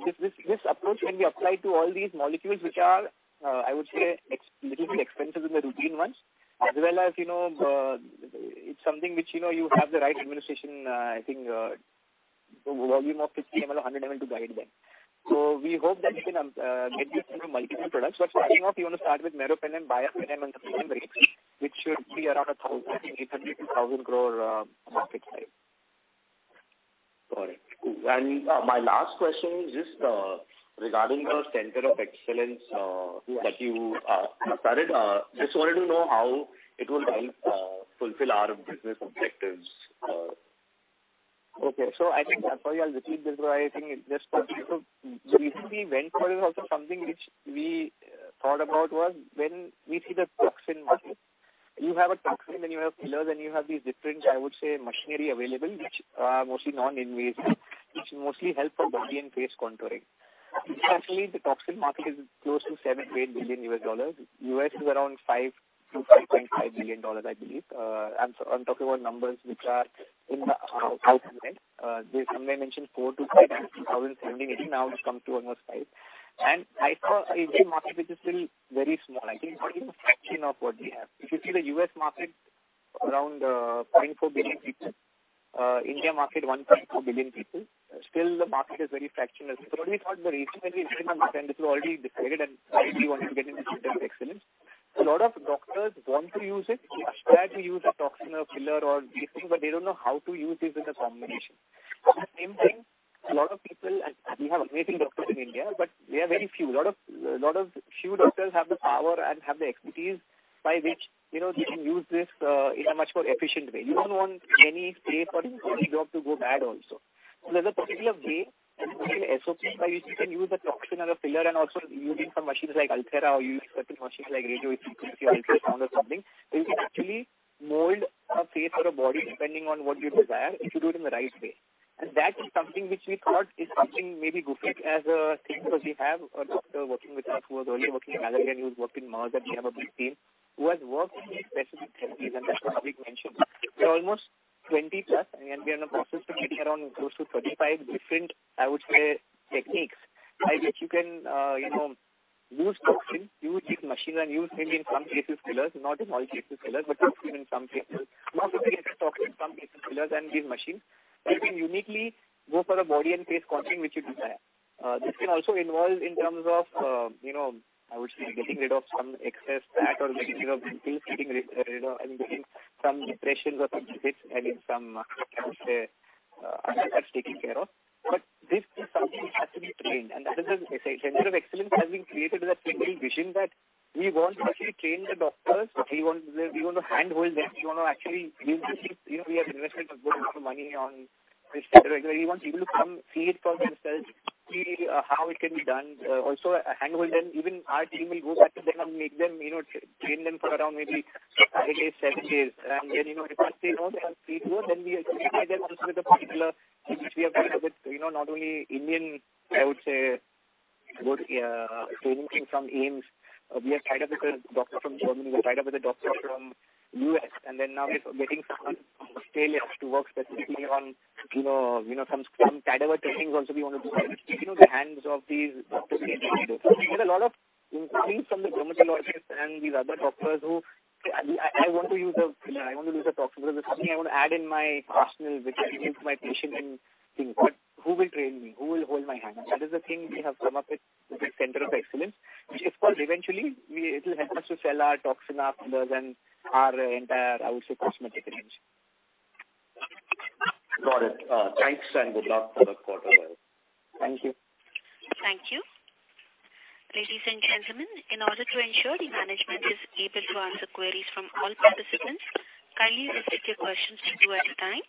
This approach can be applied to all these molecules which are, I would say a little bit expensive than the routine ones. As well as it's something which you have the right administration, I think, volume of 50 ml or 100 ml to guide them. We hope that we can get this into multiple products. Starting off you want to start with meropenem, piperacillin and ceftazidime, which should be around 1,800-1,000 crore market size. Got it. Cool. My last question is just regarding the Center of Excellence that you started. Just wanted to know how it will help fulfill our business objectives. Okay. I think that's why I'll repeat this, Roy. I think it's just the reason we went for it is also something which we thought about was when we see the toxin market. You have a toxin, then you have fillers, and you have these different, I would say, machinery available, which are mostly non-invasive, which mostly help for body and face contouring. Actually, the toxin market is close to $7 to 8 billion. US is around $5 to 5.5 billion, I believe. I'm talking about numbers which are in the public domain. Somebody mentioned $4 to 5 billion in 2017-18. Now it's come to almost $5 billion. I thought Indian market, which is still very small, I think not even a fraction of what we have. If you see the U.S. market around 0.4 billion people, India market 1.4 billion people. Still the market is very fractional. What we thought the reason we decided on this, and this was already decided and why we wanted to get into Center of Excellence. A lot of doctors want to use it. They aspire to use a toxin or filler or these things, but they don't know how to use this in a combination. The same thing, a lot of people. We have amazing doctors in India, but they are very few. A lot of few doctors have the power and have the expertise by which they can use this in a much more efficient way. You don't want any patient for your job to go bad also. There's a particular way and particular SOP by which you can use the toxin or the filler and also using some machines like Ulthera or using certain machines like radiofrequency, ultrasound or something, you can actually mold a face or a body depending on what you desire if you do it in the right way. That is something which we thought is something maybe Gufic as a thing because we have a doctor working with us who was earlier working in Malaysia, and he was working in Mars, and we have a big team who has worked in specific therapies, and that's what Avik mentioned. We are almost 20+, and we are in the process of getting around close to 35 different, I would say, techniques by which you can use toxin, use these machines and use maybe in some cases fillers. Not in all cases fillers, but use even in some cases. Not only use a toxin, some cases fillers and these machines. You can uniquely go for a body and face contouring which you desire. This can also involve in terms of I would say getting rid of some excess fat or getting rid of dimples, getting rid of and getting some depressions or some bits and in some, I would say, other parts taken care of. This is something you have to be trained, and that is the Center of Excellence has been created with that clear vision that we want to actually train the doctors. We want to handhold them. We want to actually use these. We have invested a good amount of money on this technology. We want people to come see it for themselves, see how it can be done. Also handhold them. Even our team will go back to them and make them train them for around maybe five days, seven days. If once they know, they are pretty good, then we associate them also with a particular. We have tied up with not only Indian, I would say, good training from AIIMS. We have tied up with a doctor from Germany. We've tied up with a doctor from U.S. Now we're getting someone from Australia to work specifically on some tied up our trainings also we want to do and the hands of these doctors getting used to. We get a lot of inquiries from the dermatologists and these other doctors who, "I want to use a filler. I want to use a toxin. There's something I want to add in my arsenal which I can give to my patient and things. But who will train me? Who will hold my hand?" That is the thing we have come up with the Center of Excellence, which of course eventually it will help us to sell our toxin, our fillers, and our entire, I would say, cosmetic range. Got it. Thanks and good luck for the quarter. Thank you. Thank you. Ladies and gentlemen, in order to ensure the management is able to answer queries from all participants, kindly restrict your questions to two at a time.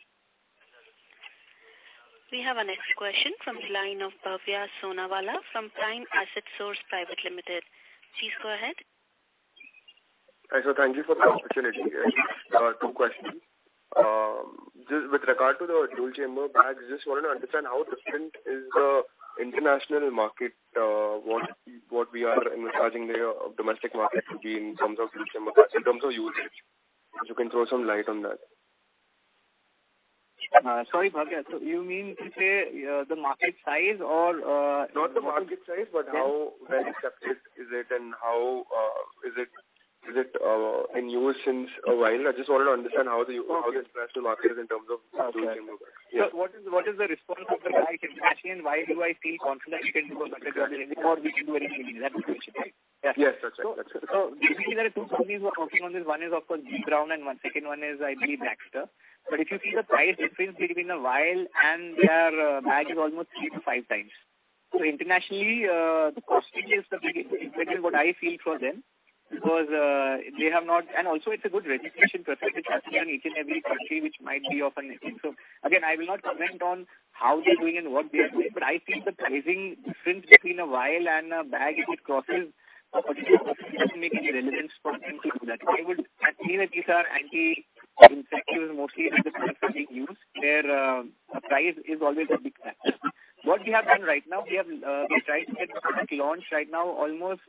We have our next question from the line of Bhavya Sonavala from Prime Asset Source Private Limited. Please go ahead. Hi, sir. Thank you for the opportunity. I just have two questions. Just with regard to the dual chamber bags, just wanted to understand how different is the international market, what we are charging in the domestic market would be in terms of dual chamber bags in terms of usage. If you can throw some light on that. Sorry, Bhavya. You mean to say the market size or Not the market size, but how well accepted is it and how is it in use for a while? I just wanted to understand how the market is expressed in terms of. Okay. Yeah. What is the response of the guy internationally and why do I feel confident we can go or we can do very easily? That's the question, right? Yes. That's it. Basically there are two companies who are focusing on this. One is, of course, ZILES and the second one is I believe Baxter. If you see the price difference between the vial and their bag is almost 3-5 times. Internationally, the costing is the big thing, what I feel for them because, and also it's a good registration process which happens in each and every country which might be of an issue. Again, I will not comment on how they're doing and what they are doing, but I think the pricing difference between a vial and a bag, if it crosses a particular percentage doesn't make any relevance for them to do that. At least our anti-infectives mostly under this bag being used, their price is always a big factor. What we have done right now, we tried to get launch right now almost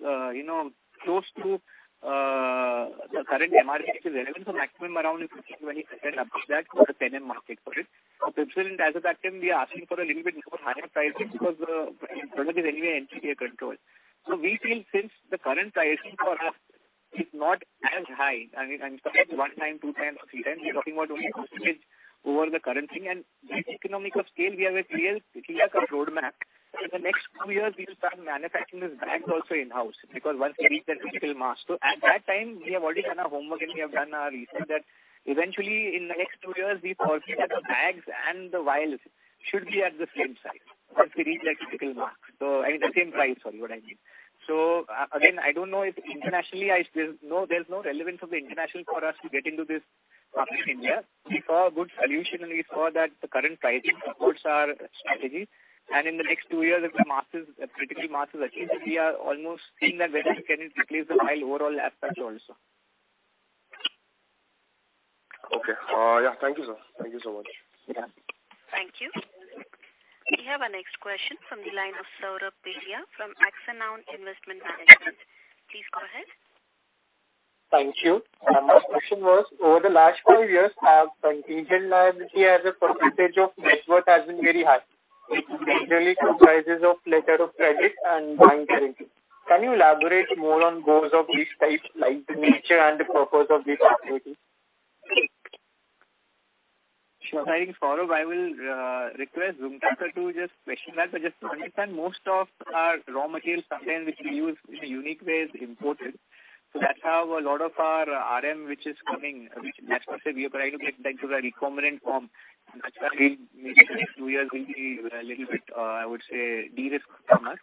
close to the current MRP level. So maximum around is 15-20% above that for the 10 ml market for it. For piperacillin-tazobactam, we are asking for a little bit more higher pricing because product is anyway NPPA controlled. So we feel since the current pricing for us is not as high, I mean, I'm talking one time, two times or three times, we're talking about only percentage over the current thing. With economies of scale, we have a clear-cut roadmap. In the next two years we will start manufacturing this bag also in-house because once we reach that critical mass. At that time we have already done our homework and we have done our research that eventually in the next two years we foresee that the bags and the vials should be at the same size once we reach that critical mass. I mean the same price, sorry, what I mean. Again, I don't know if internationally. There's no relevance of the international for us to get into this market in India. We saw a good solution and we saw that the current pricing supports our strategy. In the next two years, if critical mass is achieved, we are almost seeing that whether we can replace the vial overall aspect also. Okay. Thank you, sir. Thank you so much. Yeah. Thank you. We have our next question from the line of Saurabh Beria from Axon Owl Investment Management. Please go ahead. Thank you. My question was: Over the last four years, our contingent liability as a percentage of net worth has been very high. It mainly comprises of letter of credit and bank guarantee. Can you elaborate more on those of which types, like the nature and the purpose of these activities? Sure. I think, Saurabh, I will request Roonghta sir to just question that. Just to understand, most of our raw materials, something which we use in a unique way is imported. That's how a lot of our RM which is coming, which as per se we are trying to get back to the recombinant form. That's why we maybe in the next two years will be a little bit, I would say, de-risk from us.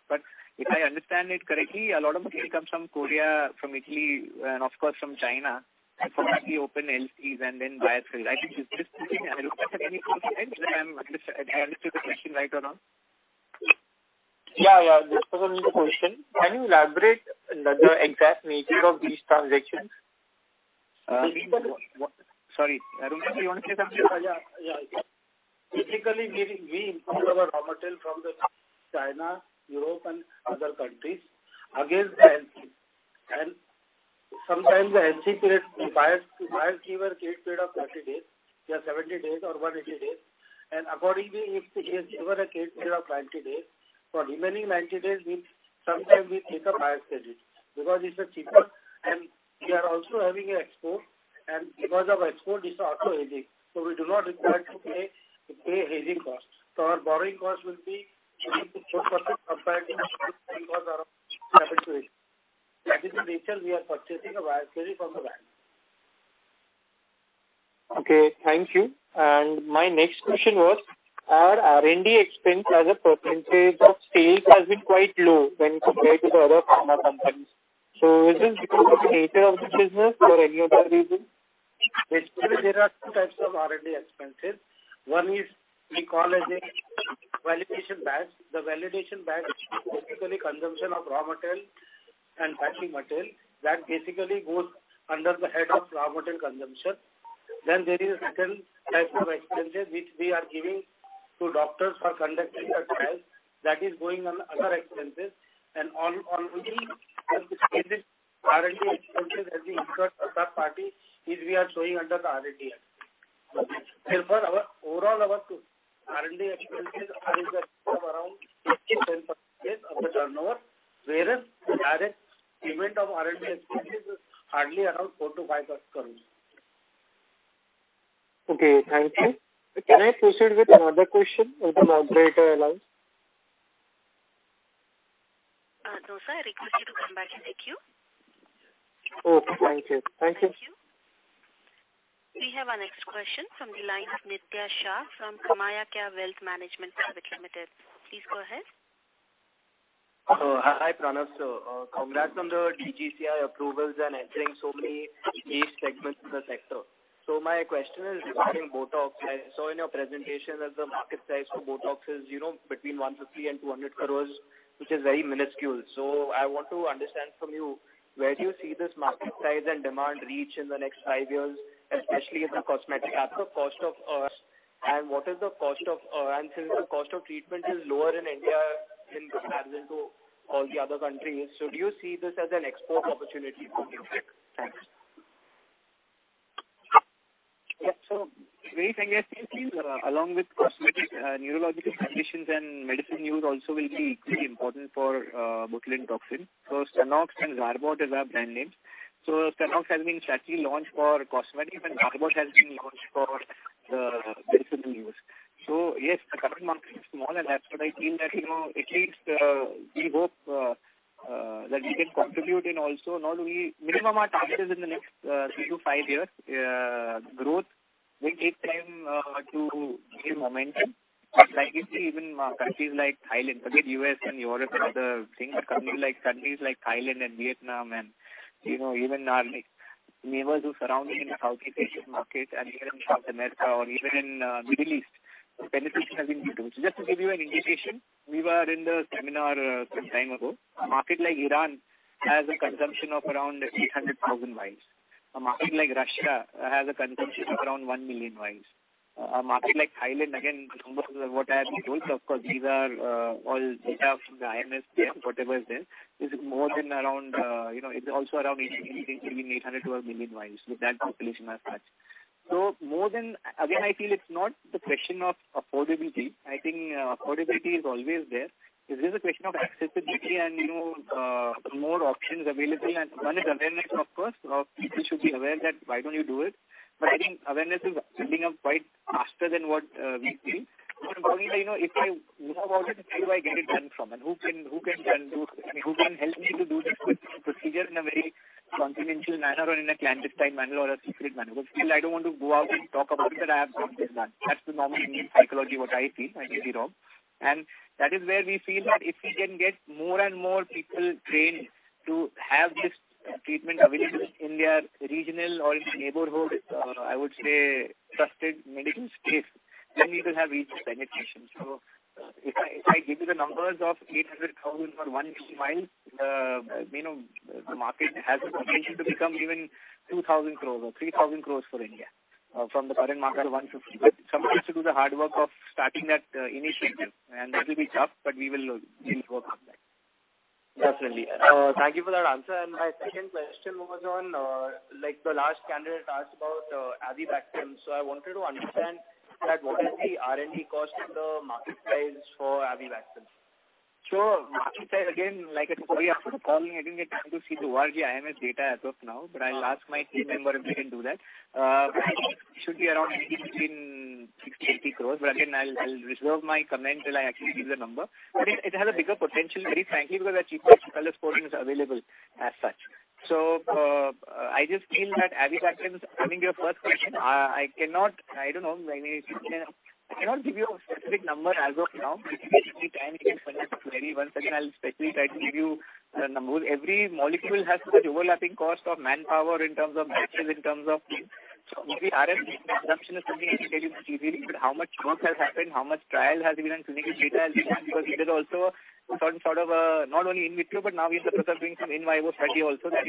If I understand it correctly, a lot of material comes from Korea, from Italy, and of course from China, and mostly open LCs and then buyers credit. I think it's just this thing. I don't know if I have any confidence that I'm, at least I've answered the question right or not. Yeah, This was only the question. Can you elaborate the exact nature of these transactions? Sorry. Devkinandan, do you want to say something? Yeah. Typically, we import our raw material from China, Europe and other countries against the LC. Sometimes the LC period, buyers give a credit period of 30 days or 70 days or 180 days. Accordingly, if he has given a credit period of 90 days, for remaining 90 days, we sometimes take a buyer's credit because it's cheaper. We are also having an export. Because of export, it's also hedged. We do not require to pay hedging costs. Our borrowing costs will be almost close to compared to because around 7%-8%. That is the nature we are purchasing a buyer's credit from the bank. Okay. Thank you. My next question was, our R&D expense as a percentage of sales has been quite low when compared to the other pharma companies. Is this because of the nature of the business or any other reason? Basically, there are two types of R&D expenses. One is we call as a validation batch. The validation batch is basically consumption of raw material and packing material. That basically goes under the head of raw material consumption. Then there is a second type of expenses which we are giving to doctors for conducting a trial, that is going on other expenses. On which we have to see this R&D expenses as we incur a third party is we are showing under the R&D expense. Therefore, our overall R&D expenses is around 50% of the turnover, whereas the direct payment of R&D expenses is hardly around INR 4-INR 5 crore. Okay. Thank you. Can I proceed with another question if the moderator allows? No, sir. I request you to come back in the queue. Okay. Thank you. Thank you. Thank you. We have our next question from the line ofNishit Shah from Karmayachya Wealth Management Private Limited. Please go ahead. Hi, Pranav sir. Congrats on the DCGI approvals and entering so many niche segments in the sector. My question is regarding Botox. I saw in your presentation that the market size for Botox is between 150 crore and 200 crore, which is very minuscule. I want to understand from you, where do you see this market size and demand reach in the next five years, especially in the cosmetic. At the cost of. And what is the cost of, and since the cost of treatment is lower in India in comparison to all the other countries, do you see this as an export opportunity for Gufic? Thanks. Yeah. Very frankly, I think along with cosmetic, neurological conditions and medicine use also will be equally important for, Botulinum toxin. Stunox and Zarbot are our brand names. Stunox has been actually launched for cosmetic and Zarbot has been launched for, medicine use. Yes, the current market is small, and that's what I feel that at least, we hope, that we can contribute in also. Not only. Minimum our target is in the next, 3-5 years, growth will take time, to gain momentum. Like you see even countries like Thailand, forget U.S. and Europe and other things, but countries like Thailand and Vietnam and even our like neighbors who surrounding in the Southeast Asian market and even South America or even in Middle East, the penetration has been good. Just to give you an indication, we were in the seminar some time ago. A market like Iran has a consumption of around 800,000 vials. A market like Russia has a consumption of around 1,000,000 vials. A market like Thailand, again, the numbers are what I have been told, of course, these are all data from the IMS, whatever is there, is more than around it's also around 800,000-1,000,000 vials with that population as such. More than. Again, I feel it's not the question of affordability. I think affordability is always there. This is a question of accessibility and more options available. One is awareness, of course. People should be aware that why don't you do it? I think awareness is building up quite faster than what we feel. Only that if I know about it, where do I get it done from? Who can do this procedure? I mean, who can help me to do this procedure in a very confidential manner or in a clandestine manner or a secret manner? Because still I don't want to go out and talk about it, that I have got this done. That's the normal human psychology what I feel. I may be wrong. That is where we feel that if we can get more and more people trained to have this treatment available in their regional or in neighborhood, I would say trusted medical space, then we will have reached the penetration. If I give you the numbers of 800,000 or 1,000,000 vials the market has the potential to become even 2,000 crore or 3,000 crore for India, from the current market of 150 crore. Somebody has to do the hard work of starting that initiative, and that will be tough, but we will go from there. Definitely. Thank you for that answer. My second question was on, like the last candidate asked about, avibactam. I wanted to understand that what is the R&D cost and the market size for avibactam? Market size, again, like I told you, after the call, I didn't get time to see the IQVIA IMS data as of now, but I'll ask my team member if they can do that. It should be around maybe between 60-80 crores. But again, I'll reserve my comment till I actually give the number. But it has a bigger potential, very frankly, because the cheaper version is available as such. I just feel that Avibactam, coming to your first question, I don't know. I mean, I cannot give you a specific number as of now. Maybe anytime we can conduct a query. Once again, I'll specifically try to give you the numbers. Every molecule has such overlapping cost of manpower in terms of materials, in terms of. Maybe R&D consumption is something I can tell you much easily, but how much work has happened, how much trial has been done, clinical data has been done, because there's also a certain sort of a, not only in vitro, but now we are also doing some in vivo study also that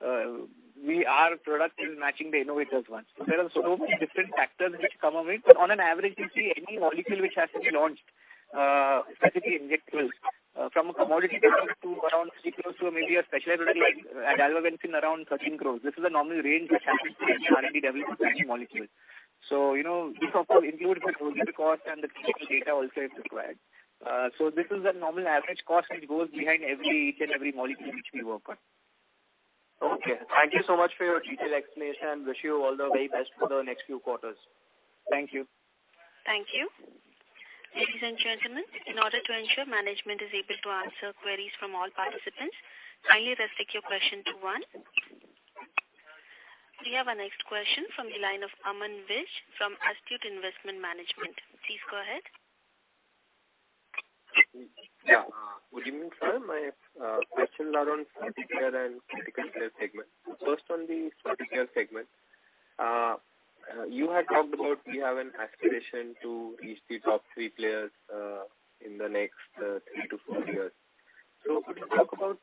our product is matching the innovator's one. There are so many different factors which come into play. On average, you see any molecule which has to be launched, especially injectables, from a commodity perspective to around 6 crore to maybe a specialty like Adalimumab around 13 crore. This is a normal range which happens for any R&D development for any molecule. This of course includes the clinical cost and the clinical data also if required. This is a normal average cost which goes behind each and every molecule which we work on. Okay. Thank you so much for your detailed explanation. Wish you all the very best for the next few quarters. Thank you. Thank you. Ladies and gentlemen, in order to ensure management is able to answer queries from all participants, kindly restrict your question to one. We have our next question from the line of Aman Vij from Astute Investment Management. Please go ahead. Yeah. Good evening, sir. My questions are on Criticare segment. First, on the Criticare segment. You had talked about we have an aspiration to reach the top 3 players in the next 3-4 years. Could you talk about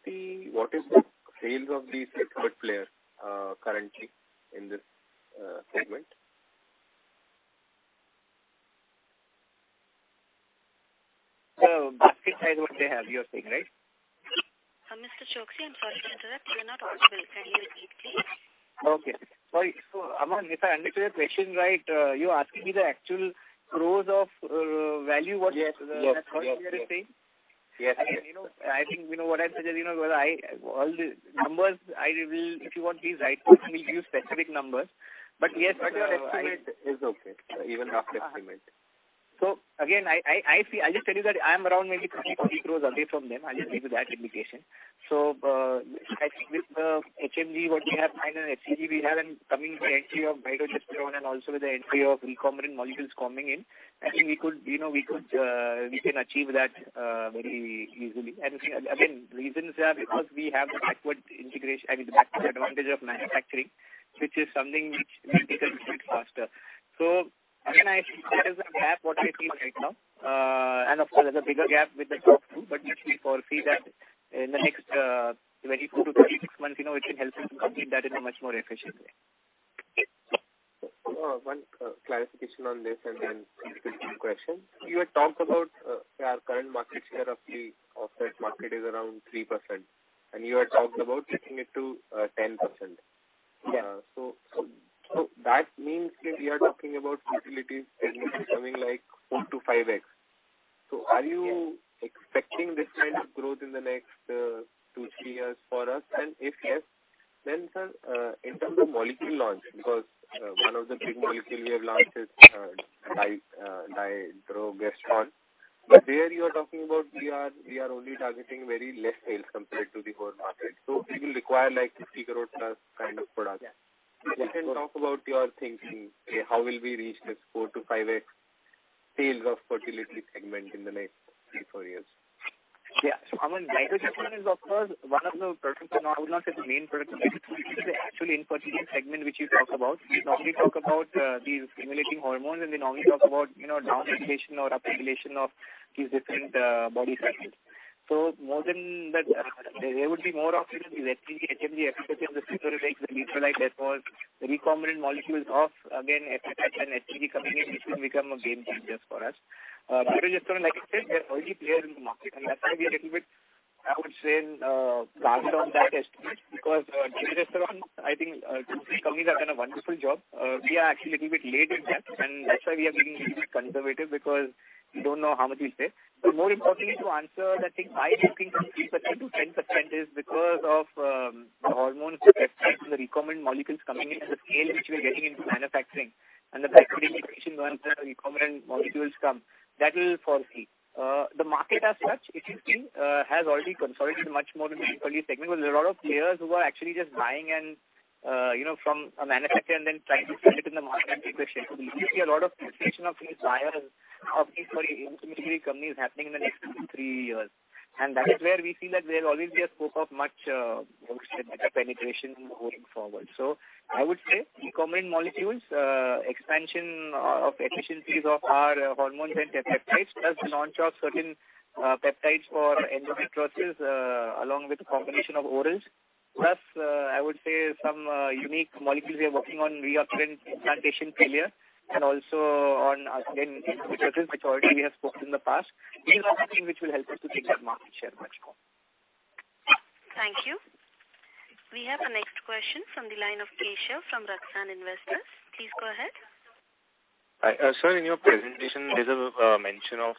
what is the sales of the third player currently in this segment? Basket size what they have, you're saying, right? Mr. Choksi, I'm sorry to interrupt. You're not audible. Can you repeat, please? Sorry. Aman, if I understood your question right, you're asking me the actual crores of value what- Yes. The third player is paying? Yes. Yes. I think what I've said is well, all the numbers I will. If you want these, I personally give you specific numbers. But yes, but your estimate. It's okay. Even rough estimate. I feel I'll just tell you that I am around maybe 20 crore away from them. I'll just give you that indication. I think with the HMG what we have, 9 and FBD we have, and coming with the entry of bio and also with the entry of recombinant molecules coming in, I think we can achieve that very easily. Reasons are because we have the backward integration, I mean, the backward advantage of manufacturing, which is something which make it a bit faster. I think there is a gap what I feel right now. Of course, there's a bigger gap with the top two, but usually we feel that in the next 24-36 months it should help us to complete that in a much more efficient way. One clarification on this and then specific question. You had talked about our current market share of the offset market is around 3%, and you had talked about taking it to 10%. Yeah. That means that we are talking about utilization becoming like 4-5x. Are you expecting this kind of growth in the next 2-3 years for us? If yes, then, sir, in terms of molecule launch, because one of the big molecule we have launched is dydrogesterone. But there you are talking about we are only targeting very less sales compared to the whole market. It will require like 50 crore plus kind of product. Yeah. If you can talk about your thinking, how will we reach this 4-5x sales of fertility segment in the next 3-4 years? Yeah. Aman, dydrogesterone is of course one of the products. I would not say the main product. Actually, in fertility segment, which you talk about, we normally talk about these modulating hormones, and we normally talk about down-regulation or up-regulation of these different body cycles. More than that, there would be more options in FBD, HMG, FSH, the recombinant follitropin, recombinant molecules of, again, FSH and HCG coming in, which will become a game changer for us. Dydrogesterone, like I said, we are early player in the market, and that's why we are little bit, I would say, prudent on that estimate, because dydrogesterone, I think, two, three companies have done a wonderful job. We are actually little bit late in that, and that's why we are being little bit conservative, because we don't know how much is there. More importantly to answer that thing, why we think 3%-10% is because of the hormones, the peptides and the recombinant molecules coming in at the scale which we are getting into manufacturing and the factory limitation once the recombinant molecules come, that will be seen. The market as such, it has already consolidated much more in the fertility segment. There's a lot of players who are actually just buying and from a manufacturer and then trying to sell it in the market and take the share. We see a lot of consolidation of these buyers of these fertility intermediary companies happening in the next two, three years. That is where we feel that there will always be a scope of much how would you say, better penetration going forward. I would say recombinant molecules, expansion of efficiencies of our hormones and peptides, plus launch of certain, peptides for endometriosis, along with a combination of orals, plus, I would say some, unique molecules we are working on reoccurrence, implantation failure and also on again, endometriosis, which already we have spoken in the past. These are the things which will help us to take that market share much more. Thank you. We have a next question from the line of Keshav from Raksan Investors. Please go ahead. Hi. Sir, in your presentation, there's a mention of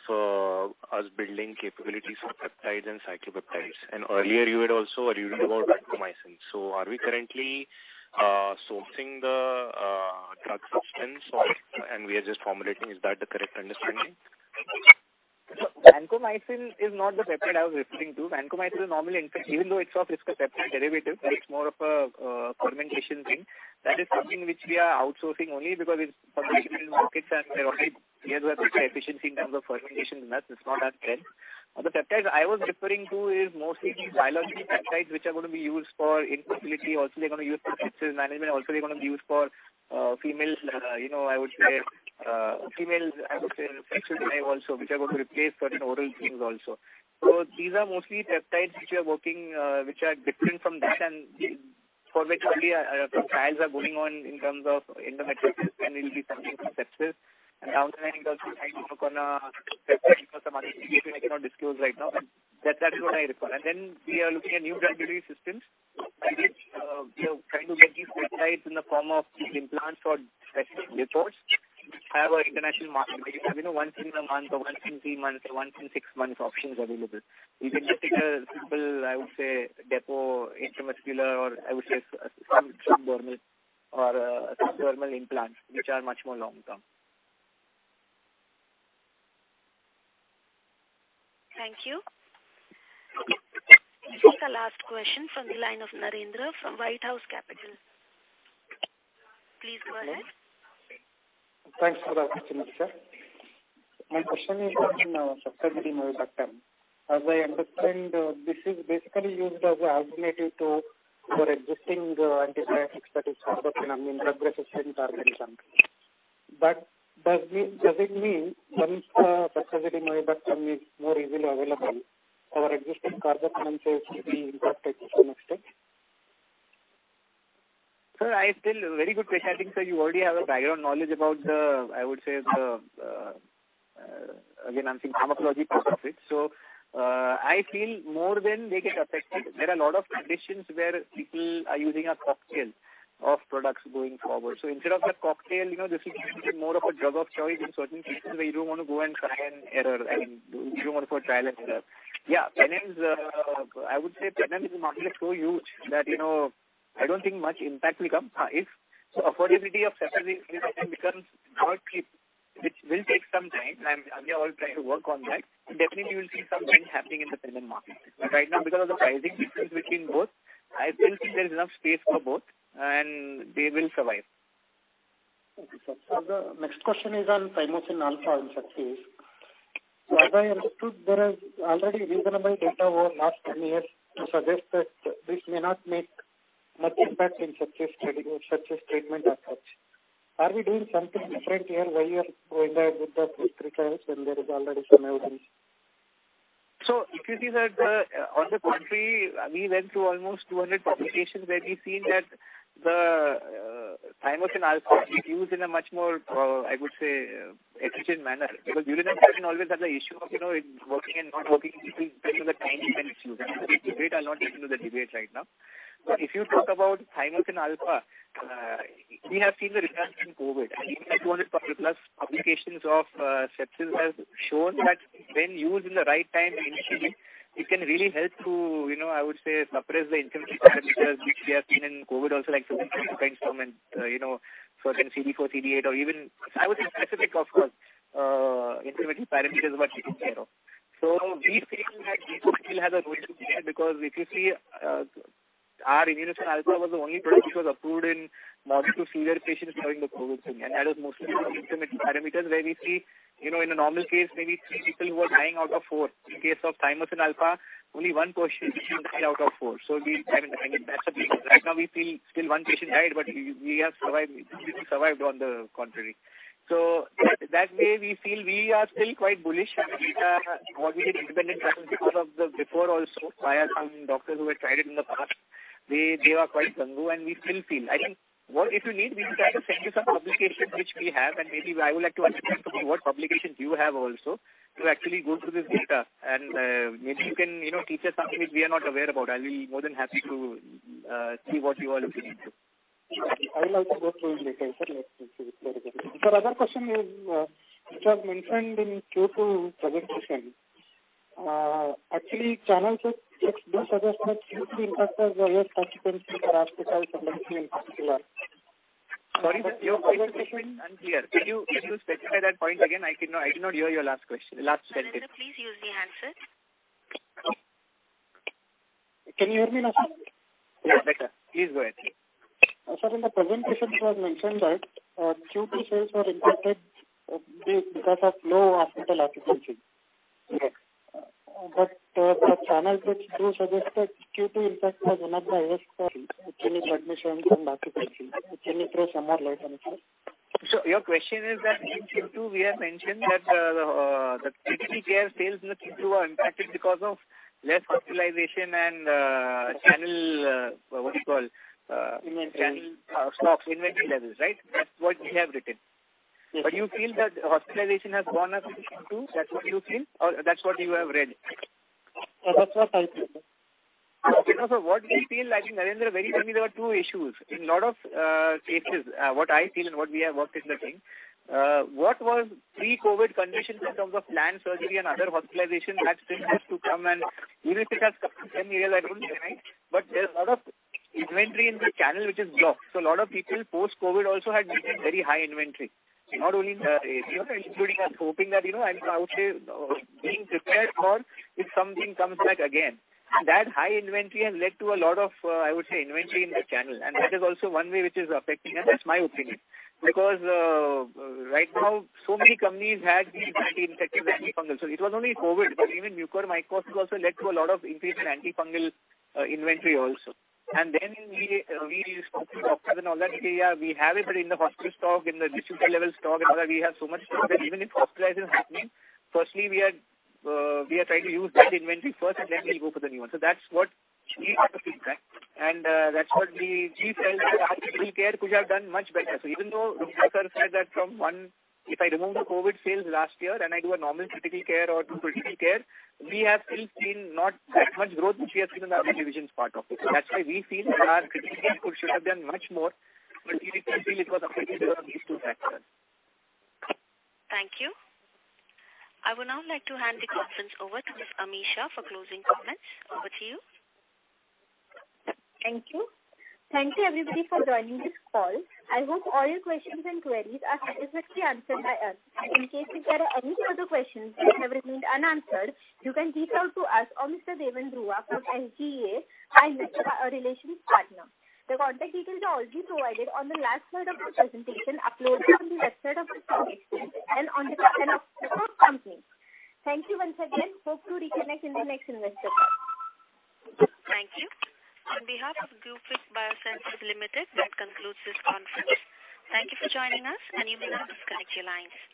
us building capabilities for peptides and cyclopeptides. Earlier you had also argued about Vancomycin. Are we currently sourcing the drug substance and we are just formulating? Is that the correct understanding? Vancomycin is not the peptide I was referring to. Vancomycin is normally. In fact, even though it's a peptide derivative, but it's more of a fermentation thing. That is something which we are outsourcing only because it's published in markets and there are only players who have better efficiency in terms of fermentation than us. It's not our strength. The peptides I was referring to is mostly these biological peptides which are going to be used for infertility. Also, they're going to be used for sepsis management. Also, they're going to be used for female I would say sexual drive also, which are going to replace certain oral things also. These are mostly peptides which we are working, which are different from that. For which only trials are going on in terms of endometriosis, and it will be something for sepsis. Down the line, we also plan to work on a peptide for some other indication I cannot disclose right now. That's what I recall. Then we are looking at new drug delivery systems. We are trying to get these peptides in the form of implants for sepsis depots, which have an international market. Once in a month or once in three months or once in six months options available. You can just take a simple, I would say, depot intramuscular or I would say subdermal implants which are much more long-term. Thank you. This is the last question from the line of Narendra from White Oak Capital. Please go ahead. Thanks for the opportunity, sir. My question is on ceftazidime-avibactam. As I understand, this is basically used as a alternative to your existing antibiotics. That is carbapenem in drug-resistant organisms. Does it mean once the ceftazidime-avibactam is more easily available, our existing carbapenem sales will be impacted to some extent? Very good question. I think, sir, you already have a background knowledge about the, I would say the, again, I'm saying pharmacologic properties. I feel more than they get affected, there are a lot of conditions where people are using a cocktail of products going forward. Instead of that cocktail this will be more of a drug of choice in certain cases where you don't want to go and try and error and you don't want to go trial and error. Yeah, Penems, I would say Penems is a market so huge that I don't think much impact will come. If the affordability of ceftazidime-avibactam becomes lower, which will take some time, and we are all trying to work on that, definitely you will see some change happening in the penem market. Right now because of the pricing difference between both, I still think there is enough space for both and they will survive. Okay, sir. The next question is on Thymosin Alpha-1 in sepsis. As I understood, there is already reasonable data over last 10 years to suggest that this may not make much impact in sepsis study or sepsis treatment as such. Are we doing something different here? Why you are going ahead with the Phase 3 trials when there is already some evidence? If you see that, on the contrary, we went to almost 200 publications where we've seen that Thymosin Alpha-1 is used in a much more, I would say, efficient manner. Because during the time we always had the issue of it working and not working, depending on the timing and issues. I'm not getting into the debate right now. If you talk about Thymosin Alpha-1, we have seen the results in COVID. 200 plus publications of sepsis has shown that when used in the right time initially, it can really help to I would say suppress the inflammatory parameters, which we have seen in COVID also, like cytokine storm and certain CD4, CD8 or even, I would say specific, of course, inflammatory parameters what we see, you know. We feel that it still has a role to play because if you see, our Immunocin Alpha was the only product which was approved in moderate to severe patients having the COVID thing. That is mostly inflammatory parameters where we see in a normal case, maybe three people were dying out of four. In case of Thymosin Alpha-1, only one person is dying out of four. We, I mean, that's a big one. Right now we feel still one patient died, but we have survived, we survived on the contrary. That way we feel we are still quite bullish on the data, what we did independent because of the before also, via some doctors who had tried it in the past. They are quite gung-ho, and we still feel. I think what if you need, we can try to send you some publications which we have, and maybe I would like to understand from you what publications you have also to actually go through this data and, maybe you can teach us something which we are not aware about. I'll be more than happy to see what you are looking into. I would like to go through it later. Let's see. Sir, other question is, which was mentioned in Q2 presentation. Actually channel checks do suggest that Q2 impact was less subsequently for hospital segments in particular. Sorry, your question unclear. Could you specify that point again? I could not hear your last question, last sentence. Narendra, please use the handset. Can you hear me now, sir? Yeah, better. Please go ahead. Sir, in the presentation it was mentioned that Q2 sales were impacted because of low hospital occupancy. Yes. The channel checks do suggest that Q2 impact was not the highest for clinical admissions and occupancy. Can you throw some more light on it, sir? Your question is that in Q2 we have mentioned that the critical care sales in the Q2 were impacted because of less hospitalization and channel, what you call, Inventory. Channel, stocks, inventory levels, right? That's what we have written. Yes, sir. You feel that hospitalization has gone up in Q2? That's what you feel? Or that's what you have read? That's what I feel, sir. what we feel, I think, Narendra, very clearly there are two issues. In lot of cases, what I feel and what we have worked is the thing, what was pre-COVID conditions in terms of planned surgery and other hospitalizations had still to come and even if it has come in ten years, I don't deny. There's a lot of inventory in the channel which is blocked. A lot of people post-COVID also had maintained very high inventory. Not only in Asia, including us, hoping that and I would say, being prepared for if something comes back again. That high inventory has led to a lot of, I would say, inventory in the channel. That is also one way which is affecting us. That's my opinion. Because right now, so many companies had this anti-infective antifungal. It was only COVID, but even mucormycosis also led to a lot of increase in antifungal inventory also. Then we spoke to doctors and all that. They say, "Yeah, we have it, but in the hospital stock, in the district level stock and all that, we have so much stock that even if hospitalization is happening, firstly we are trying to use that inventory first and then we'll go for the new one." That's what we got the feedback. That's what we felt that our Criticare could have done much better. Even though Roonghta said that from one, if I remove the COVID sales last year and I do a normal Criticare, we have still seen not that much growth which we have seen in the other divisions part of it. That's why we feel that our Criticare should have done much more, but we feel it was affected because of these two factors. Thank you. I would now like to hand the conference over to Miss Ami Shah for closing comments. Over to you. Thank you. Thank you everybody for joining this call. I hope all your questions and queries are satisfactorily answered by us. In case if there are any further questions which have remained unanswered, you can reach out to us or Mr. Devkinandan Roonghta from HDA, our investor relations partner. The contact details are already provided on the last slide of the presentation uploaded on the website of the company and on the website of the host company. Thank you once again. Hope to reconnect in the next investor call. Thank you. On behalf of Gufic Biosciences Limited, that concludes this conference. Thank you for joining us, and you may now disconnect your lines.